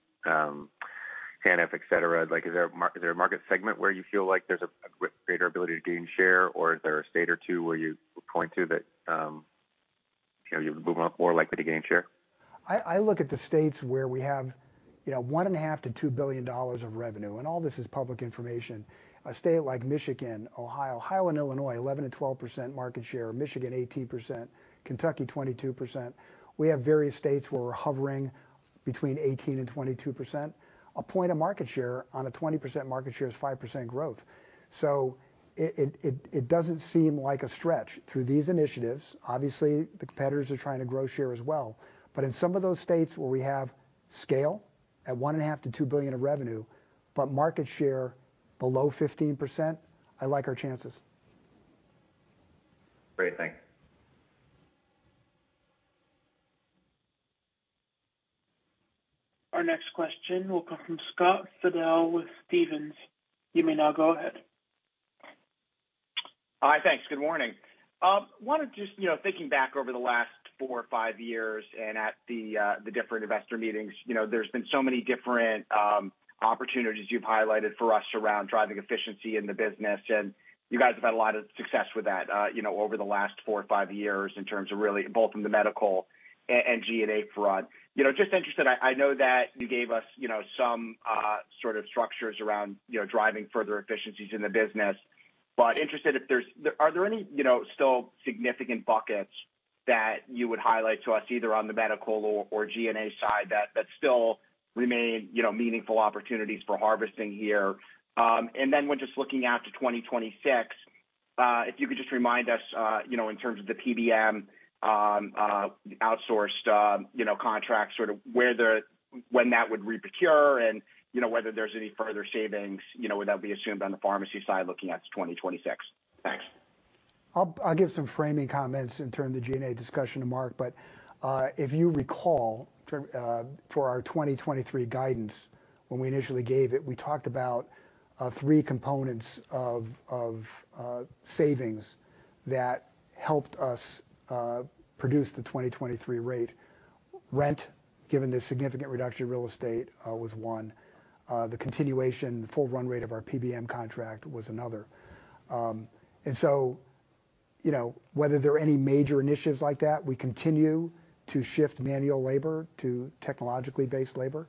HNF, etc. Like, is there a market segment where you feel like there's a greater ability to gain share, or is there a state or two where you would point to that, you know, you're more likely to gain share? I look at the states where we have, you know, $1.5 billion-$2 billion of revenue. All this is public information. A state like Michigan, Ohio. Ohio and Illinois, 11%-12% market share. Michigan, 18%. Kentucky, 22%. We have various states where we're hovering between 18% and 22%. A point of market share on a 20% market share is 5% growth. It doesn't seem like a stretch through these initiatives. Obviously, the competitors are trying to grow share as well, but in some of those states where we have scale at $1.5 billion-$2 billion of revenue, but market share below 15%, I like our chances. Great. Thank you. Our next question will come from Scott Fidel with Stephens. You may now go ahead. Hi. Thanks. Good morning. wanted to just, you know, thinking back over the last four or five years and at the different investor meetings, you know, there's been so many different opportunities you've highlighted for us around driving efficiency in the business, and you guys have had a lot of success with that, you know, over the last four or five years in terms of really both in the medical and G&A front. You know, just interested, I know that you gave us, you know, some sort of structures around, you know, driving further efficiencies in the business. Interested, are there any, you know, still significant buckets that you would highlight to us, either on the medical or G&A side that still remain, you know, meaningful opportunities for harvesting here? When just looking out to 2026, if you could just remind us, you know, in terms of the PBM outsourced, you know, contracts, sort of when that would re-procure and, you know, whether there's any further savings, you know, would that be assumed on the pharmacy side looking at 2026? Thanks. I'll give some framing comments and turn the G&A discussion to Mark. If you recall for our 2023 guidance when we initially gave it, we talked about three components of savings that helped us produce the 2023 rate. Rent, given the significant reduction in real estate, was one. The continuation, the full run rate of our PBM contract was another. You know, whether there are any major initiatives like that, we continue to shift manual labor to technologically-based labor.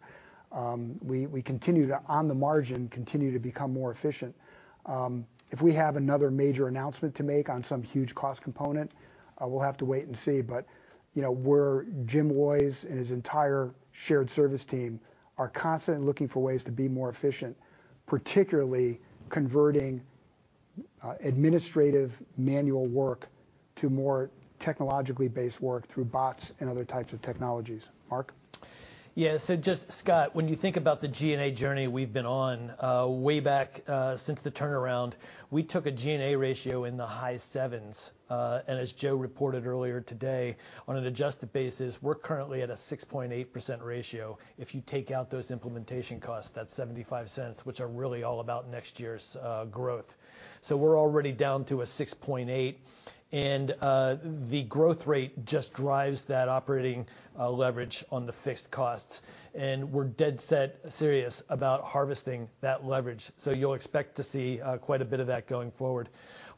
We continue to, on the margin, continue to become more efficient. If we have another major announcement to make on some huge cost component, we'll have to wait and see. You know, Jim Woys and his entire shared service team are constantly looking for ways to be more efficient, particularly converting administrative manual work to more technologically-based work through bots and other types of technologies. Mark? Just, Scott, when you think about the G&A journey we've been on, way back, since the turnaround, we took a G&A ratio in the high 7%s. As Joe reported earlier today, on an adjusted basis, we're currently at a 6.8% ratio. If you take out those implementation costs, that's $0.75, which are really all about next year's growth. We're already down to a 6.8%, the growth rate just drives that operating leverage on the fixed costs. We're dead set serious about harvesting that leverage. You'll expect to see quite a bit of that going forward.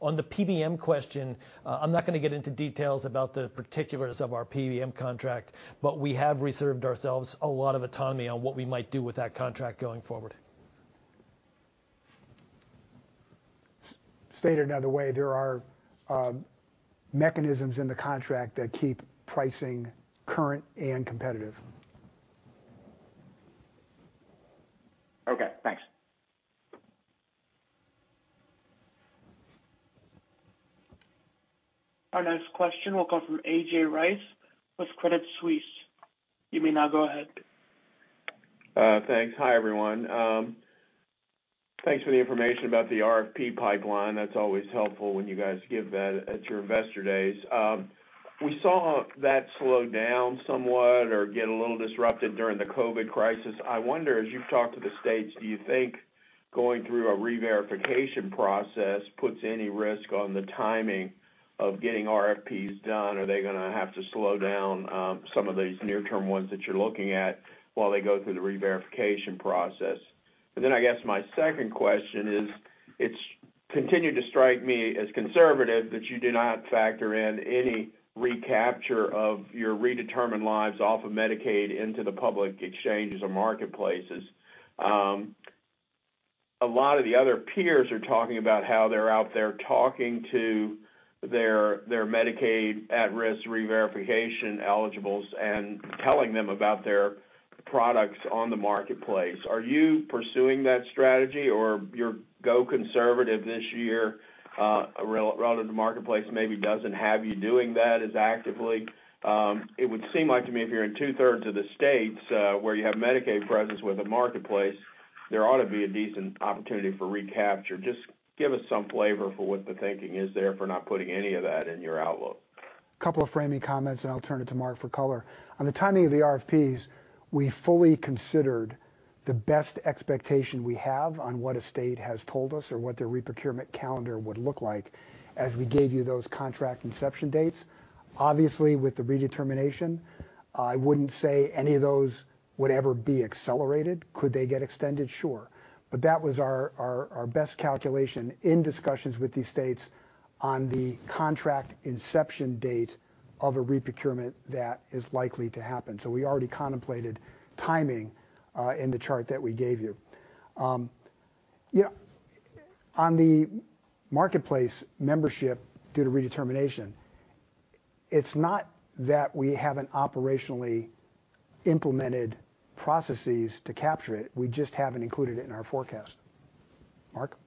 On the PBM question, I'm not gonna get into details about the particulars of our PBM contract, but we have reserved ourselves a lot of autonomy on what we might do with that contract going forward. Stated another way, there are mechanisms in the contract that keep pricing current and competitive. Okay, thanks. Our next question will come from A.J. Rice with Credit Suisse. You may now go ahead. Thanks. Hi, everyone. Thanks for the information about the RFP pipeline. That's always helpful when you guys give that at your investor days. We saw that slow down somewhat or get a little disrupted during the COVID crisis. I wonder, as you've talked to the states, do you think going through a reverification process puts any risk on the timing of getting RFPs done? Are they gonna have to slow down some of these near-term ones that you're looking at while they go through the reverification process? I guess my second question is, it's continued to strike me as conservative that you do not factor in any recapture of your redetermined lives off of Medicaid into the public exchanges or marketplaces. A lot of the other peers are talking about how they're out there talking to their Medicaid at-risk reverification eligibles and telling them about their products on the marketplace. Are you pursuing that strategy or you're go conservative this year, rather the marketplace maybe doesn't have you doing that as actively? It would seem like to me if you're in 2/3 of the states, where you have Medicaid presence with a marketplace, there ought to be a decent opportunity for recapture. Just give us some flavor for what the thinking is there for not putting any of that in your outlook. Couple of framing comments. I'll turn it to Mark for color. On the timing of the RFPs, we fully considered the best expectation we have on what a state has told us or what their reprocurement calendar would look like as we gave you those contract inception dates. Obviously, with the redetermination, I wouldn't say any of those would ever be accelerated. Could they get extended? Sure. That was our best calculation in discussions with these states on the contract inception date of a reprocurement that is likely to happen, so we already contemplated timing in the chart that we gave you. You know, on the marketplace membership due to redetermination, it's not that we haven't operationally implemented processes to capture it, we just haven't included it in our forecast. Mark?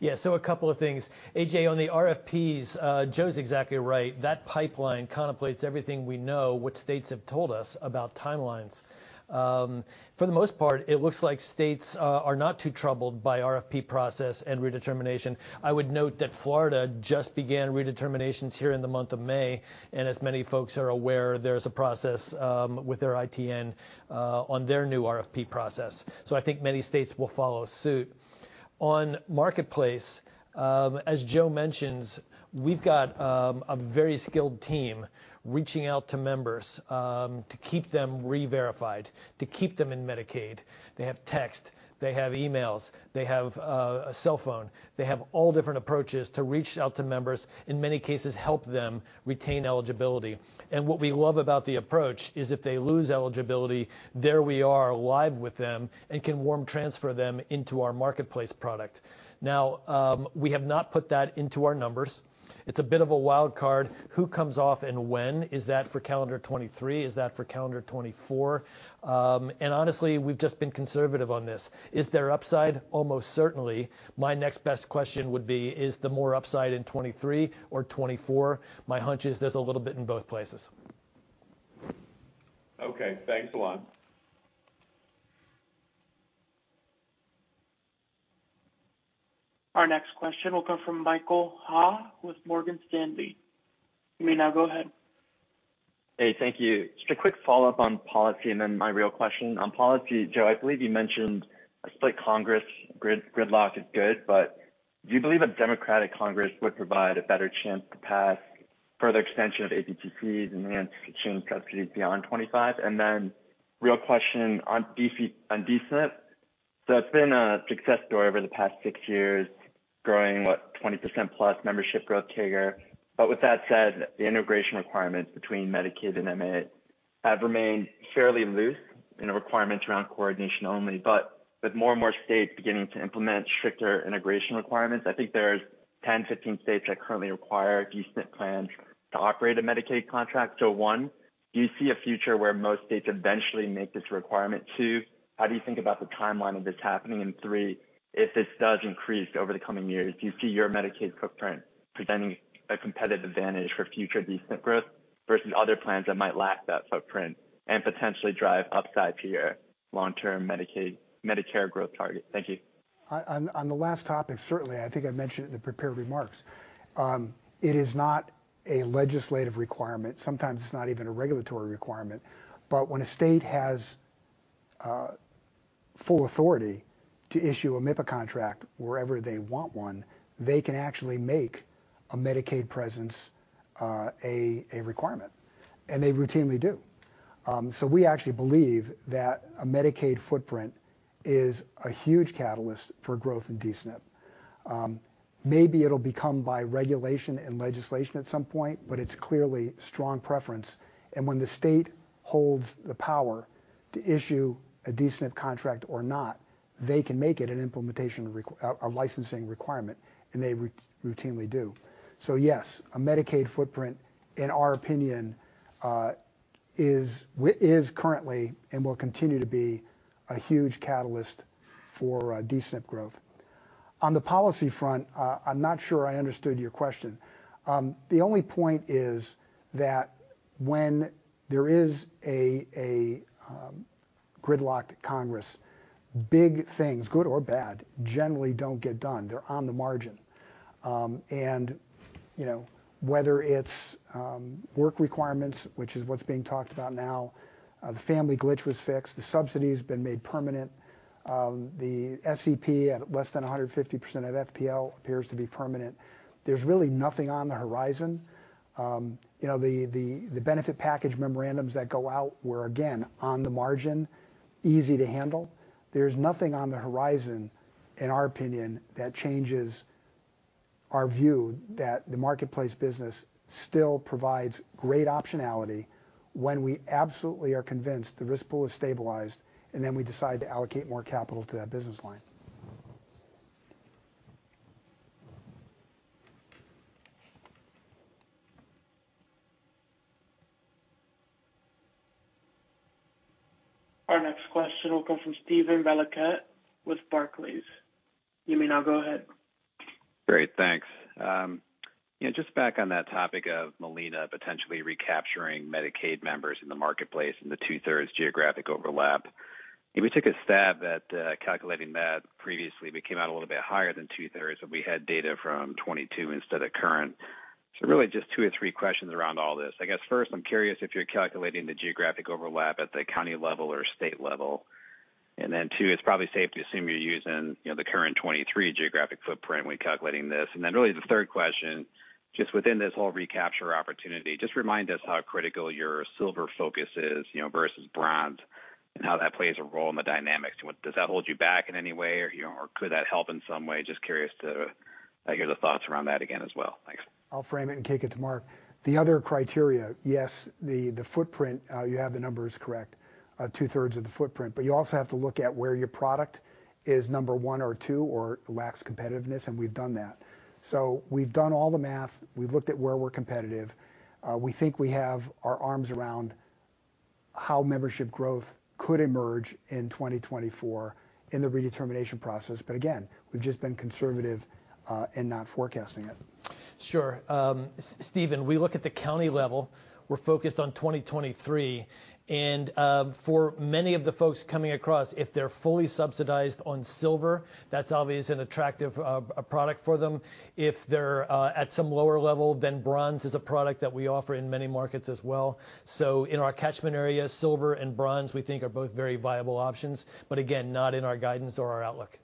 Yeah. A couple of things. A.J., on the RFPs, Joe's exactly right. That pipeline contemplates everything we know, what states have told us about timelines. For the most part, it looks like states are not too troubled by RFP process and redetermination. I would note that Florida just began redeterminations here in the month of May, and as many folks are aware, there's a process with their ITN on their new RFP process. I think many states will follow suit. On Marketplace, as Joe mentions, we've got a very skilled team reaching out to members to keep them reverified, to keep them in Medicaid. They have text, they have emails, they have a cell phone. They have all different approaches to reach out to members, in many cases, help them retain eligibility. What we love about the approach is if they lose eligibility, there we are live with them and can warm transfer them into our marketplace product. Now, we have not put that into our numbers. It's a bit of a wild card, who comes off and when? Is that for calendar 2023? Is that for calendar 2024? Honestly, we've just been conservative on this. Is there upside? Almost certainly. My next best question would be, is the more upside in 2023 or 2024? My hunch is there's a little bit in both places. Okay. Thanks a lot. Our next question will come from Michael Ha with Morgan Stanley. You may now go ahead. Hey, thank you. Just a quick follow-up on policy and then my real question. On policy, Joe, I believe you mentioned a split Congress gridlock is good, but Do you believe a Democratic Congress would provide a better chance to pass further extension of APTCs and enhanced ACA subsidies beyond 2025? Real question on D-SNP. It's been a success story over the past six years, growing, what, 20%+ membership growth CAGR. With that said, the integration requirements between Medicaid and MA have remained fairly loose in the requirements around coordination only. With more and more states beginning to implement stricter integration requirements, I think there's 10, 15 states that currently require D-SNP plans to operate a Medicaid contract. One, do you see a future where most states eventually make this requirement? Two, how do you think about the timeline of this happening? Three, if this does increase over the coming years, do you see your Medicaid footprint presenting a competitive advantage for future D-SNP growth versus other plans that might lack that footprint and potentially drive upside to your long-term Medicare growth target? Thank you. On the last topic, certainly, I think I mentioned it in the prepared remarks. It is not a legislative requirement. Sometimes it's not even a regulatory requirement. When a state has full authority to issue a MIPPA contract wherever they want one, they can actually make a Medicaid presence, a requirement, and they routinely do. We actually believe that a Medicaid footprint is a huge catalyst for growth in D-SNP. Maybe it'll become by regulation and legislation at some point, but it's clearly strong preference. When the state holds the power to issue a D-SNP contract or not, they can make it a licensing requirement, and they routinely do. Yes, a Medicaid footprint, in our opinion, is currently and will continue to be a huge catalyst for D-SNP growth. On the policy front, I'm not sure I understood your question. The only point is that when there is a gridlocked Congress, big things, good or bad, generally don't get done. They're on the margin. You know, whether it's work requirements, which is what's being talked about now, the family glitch was fixed, the subsidy has been made permanent. The SEP at less than 150% of FPL appears to be permanent. There's really nothing on the horizon. You know, the benefit package memorandums that go out were again, on the margin, easy to handle. There's nothing on the horizon, in our opinion, that changes our view that the marketplace business still provides great optionality when we absolutely are convinced the risk pool is stabilized, and then we decide to allocate more capital to that business line. Our next question will come from Steven Valiquette with Barclays. You may now go ahead. Great. Thanks. Yeah, just back on that topic of Molina potentially recapturing Medicaid members in the marketplace and the 2/3 geographic overlap. We took a stab at calculating that previously, but it came out a little bit higher than 2/3, but we had data from 2022 instead of current. Really just two or three questions around all this. I guess first, I'm curious if you're calculating the geographic overlap at the county level or state level? Two, it's probably safe to assume you're using, you know, the current 2023 geographic footprint when calculating this? Really the third question, just within this whole recapture opportunity, just remind us how critical your silver focus is, you know, versus bronze, and how that plays a role in the dynamics? Does that hold you back in any way, or, you know, or could that help in some way? Just curious to hear the thoughts around that again as well. Thanks. I'll frame it and kick it to Mark. The other criteria, yes, the footprint, you have the numbers correct, 2/3 of the footprint. You also have to look at where your product is number one or two or lacks competitiveness, we've done that. We've done all the math. We've looked at where we're competitive. We think we have our arms around how membership growth could emerge in 2024 in the redetermination process. Again, we've just been conservative in not forecasting it. Sure. Stephen, we look at the county level. We're focused on 2023, for many of the folks coming across, if they're fully subsidized on silver, that's obviously an attractive product for them. If they're at some lower level, then bronze is a product that we offer in many markets as well. In our catchment area, silver and bronze, we think are both very viable options, but again, not in our guidance or our outlook.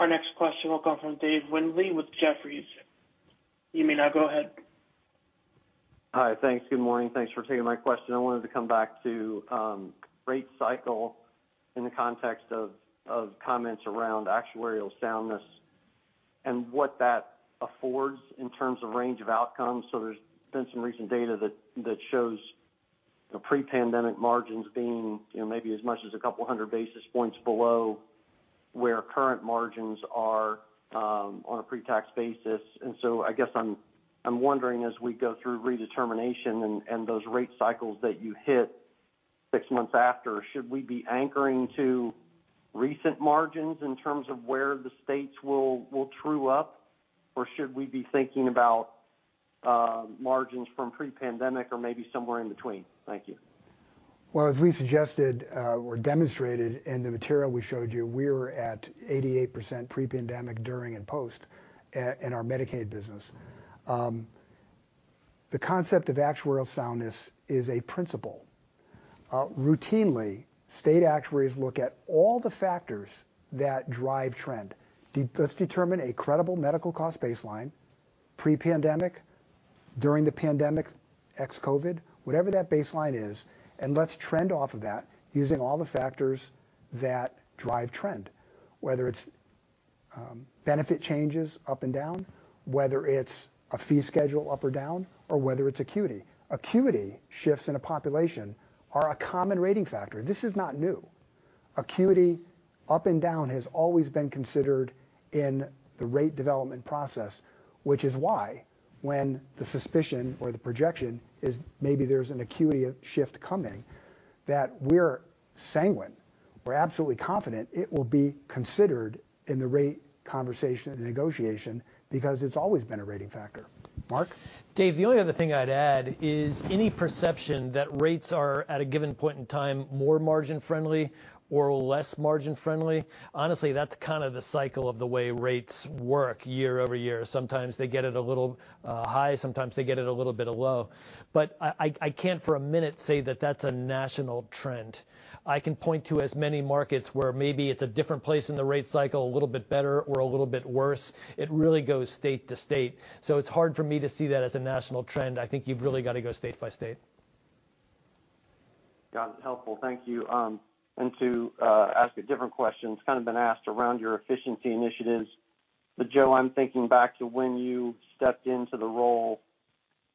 Okay, thanks. Our next question will come from David Windley with Jefferies. You may now go ahead. Hi. Thanks. Good morning. Thanks for taking my question. I wanted to come back to rate cycle in the context of comments around actuarial soundness and what that affords in terms of range of outcomes. There's been some recent data that shows the pre-pandemic margins being, you know, maybe as much as 200 basis points below where current margins are on a pre-tax basis. I guess I'm wondering as we go through redetermination and those rate cycles that you hit six months after, should we be anchoring to recent margins in terms of where the states will true up? Or should we be thinking about margins from pre-pandemic or maybe somewhere in between? Thank you. Well, as we suggested, or demonstrated in the material we showed you, we were at 88% pre-pandemic, during, and post in our Medicaid business. The concept of actuarial soundness is a principle. Routinely, state actuaries look at all the factors that drive trend. Let's determine a credible medical cost baseline pre-pandemic, during the pandemic, ex-COVID, whatever that baseline is, and let's trend off of that using all the factors that drive trend, whether it's benefit changes up and down, whether it's a fee schedule up or down, or whether it's acuity. Acuity shifts in a population are a common rating factor. This is not new. Acuity up and down has always been considered in the rate development process, which is why when the suspicion or the projection is maybe there's an acuity shift coming, that we're sanguine. We're absolutely confident it will be considered in the rate conversation and negotiation because it's always been a rating factor. Mark? Dave, the only other thing I'd add is any perception that rates are, at a given point in time, more margin-friendly or less margin-friendly, honestly, that's kind of the cycle of the way rates work year-over-year. Sometimes they get it a little high, sometimes they get it a little bit of low. I can't for a minute say that that's a national trend. I can point to as many markets where maybe it's a different place in the rate cycle, a little bit better or a little bit worse. It really goes state-to-state. It's hard for me to see that as a national trend. I think you've really got to go state-by-state. Got it. Helpful. Thank you. To ask a different question. It's kind of been asked around your efficiency initiatives. Joe, I'm thinking back to when you stepped into the role,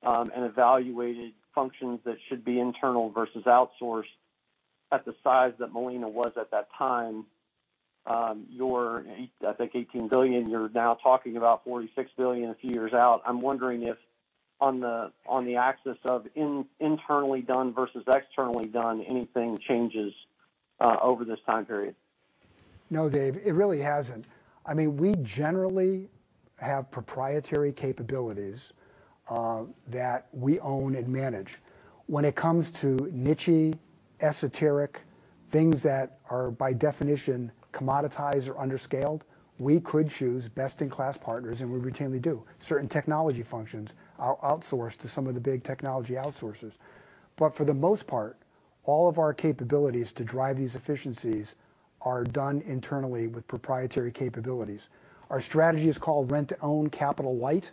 and evaluated functions that should be internal versus outsourced at the size that Molina was at that time. Your I think $18 billion, you're now talking about $46 billion a few years out. I'm wondering if on the, on the axis of internally done versus externally done, anything changes over this time period. No, Dave, it really hasn't. I mean, we generally have proprietary capabilities, that we own and manage. When it comes to niche-y, esoteric things that are, by definition, commoditized or under-scaled, we could choose best-in-class partners, and we routinely do. Certain technology functions are outsourced to some of the big technology outsourcers. For the most part, all of our capabilities to drive these efficiencies are done internally with proprietary capabilities. Our strategy is called rent-to-own capital light.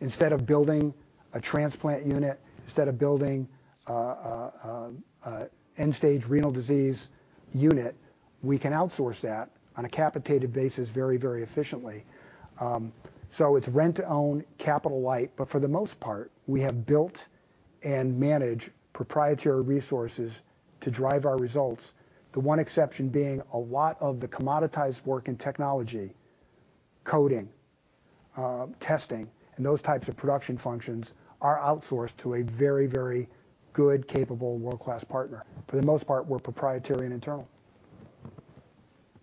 Instead of building a transplant unit, instead of building, a end stage renal disease unit, we can outsource that on a capitated basis very, very efficiently. It's rent to own capital light, but for the most part, we have built and manage proprietary resources to drive our results, the one exception being a lot of the commoditized work in technology, coding, testing, and those types of production functions are outsourced to a very, very good, capable world-class partner. For the most part, we're proprietary and internal.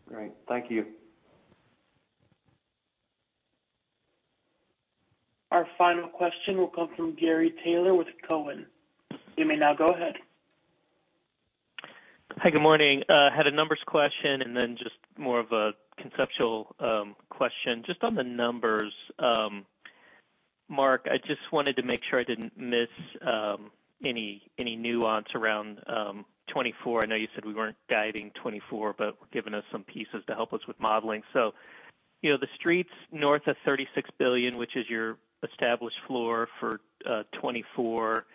Great. Thank you. Our final question will come from Gary Taylor with Cowen. You may now go ahead. Hi, good morning. Had a numbers question and then just more of a conceptual question. Just on the numbers, Mark, I just wanted to make sure I didn't miss any nuance around 2024. I know you said we weren't guiding 2024, but giving us some pieces to help us with modeling. You know, the streets north of $36 billion, which is your established floor for 2024,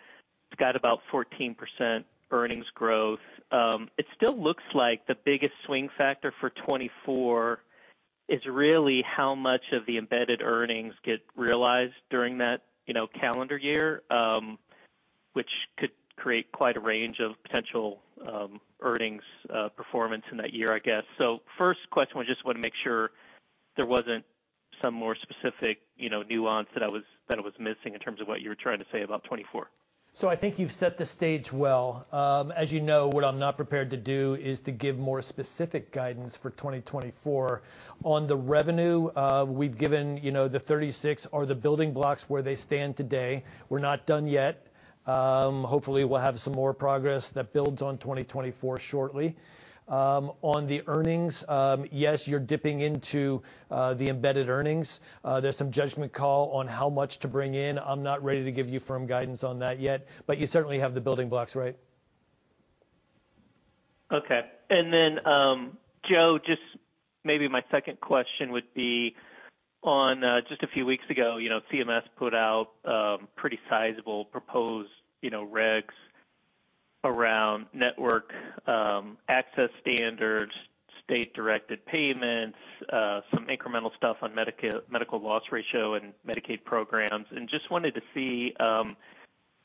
it's got about 14% earnings growth. It still looks like the biggest swing factor for 2024 is really how much of the embedded earnings get realized during that, you know, calendar year, which could create quite a range of potential earnings performance in that year, I guess. First question was just wanna make sure there wasn't some more specific, you know, nuance that I was missing in terms of what you were trying to say about 2024? I think you've set the stage well. As you know, what I'm not prepared to do is to give more specific guidance for 2024. On the revenue, we've given, you know, the 36 are the building blocks where they stand today. We're not done yet. Hopefully, we'll have some more progress that builds on 2024 shortly. On the earnings, yes, you're dipping into the embedded earnings. There's some judgment call on how much to bring in. I'm not ready to give you firm guidance on that yet, but you certainly have the building blocks right. Okay. Then, Joe, just maybe my second question would be on, just a few weeks ago, you know, CMS put out, pretty sizable proposed, you know, regs around network, access standards, state-directed payments, some incremental stuff on medical loss ratio and Medicaid programs. Just wanted to see,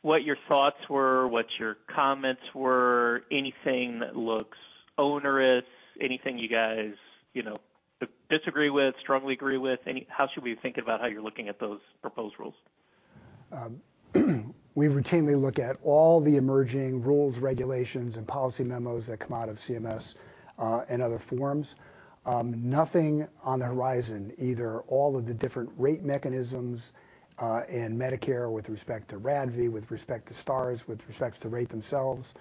what your thoughts were, what your comments were, anything that looks onerous, anything you guys, you know, disagree with, strongly agree with? How should we think about how you're looking at those proposed rules? We routinely look at all the emerging rules, regulations, and policy memos that come out of CMS and other forums. Nothing on the horizon, either all of the different rate mechanisms in Medicare with respect to RADV, with respect to Stars, with respects to rate themselves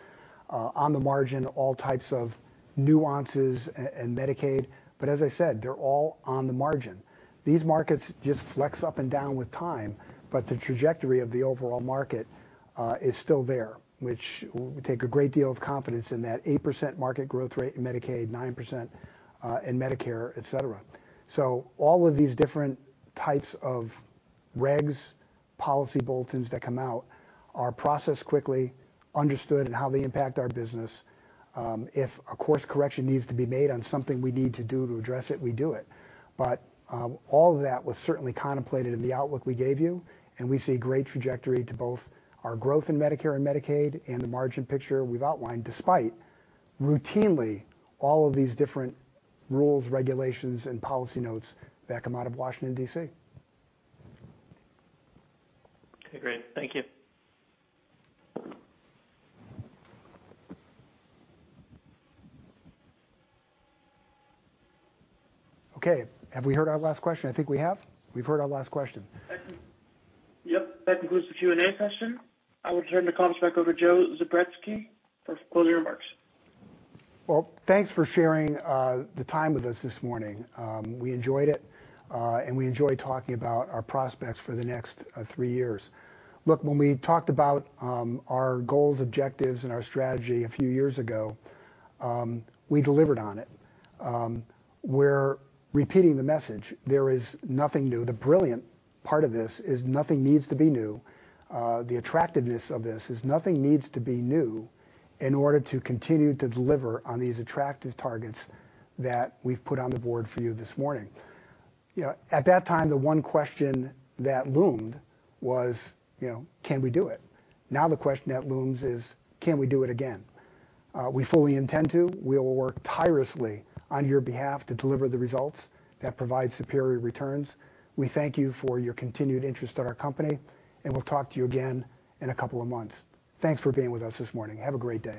on the margin, all types of nuances and Medicaid. As I said, they're all on the margin. These markets just flex up and down with time, but the trajectory of the overall market is still there, which we take a great deal of confidence in that 8% market growth rate in Medicaid, 9% in Medicare, etc. All of these different types of regs, policy bulletins that come out are processed quickly, understood in how they impact our business. If a course correction needs to be made on something we need to do to address it, we do it. All of that was certainly contemplated in the outlook we gave you, and we see great trajectory to both our growth in Medicare and Medicaid and the margin picture we've outlined, despite routinely all of these different rules, regulations, and policy notes that come out of Washington, D.C. Okay, great. Thank you. Okay. Have we heard our last question?I think we have. We've heard our last question. Yes. That concludes the Q&A session. I will turn the call back over to Joe Zubretsky for closing remarks. Well, thanks for sharing the time with us this morning. We enjoyed it, and we enjoy talking about our prospects for the next three years. Look, when we talked about our goals, objectives, and our strategy a few years ago, we delivered on it. We're repeating the message. There is nothing new. The brilliant part of this is nothing needs to be new. The attractiveness of this is nothing needs to be new in order to continue to deliver on these attractive targets that we've put on the board for you this morning. You know, at that time, the one question that loomed was, you know, can we do it? Now, the question that looms is, can we do it again? We fully intend to. We will work tirelessly on your behalf to deliver the results that provide superior returns. We thank you for your continued interest in our company, and we'll talk to you again in a couple of months. Thanks for being with us this morning. Have a great day.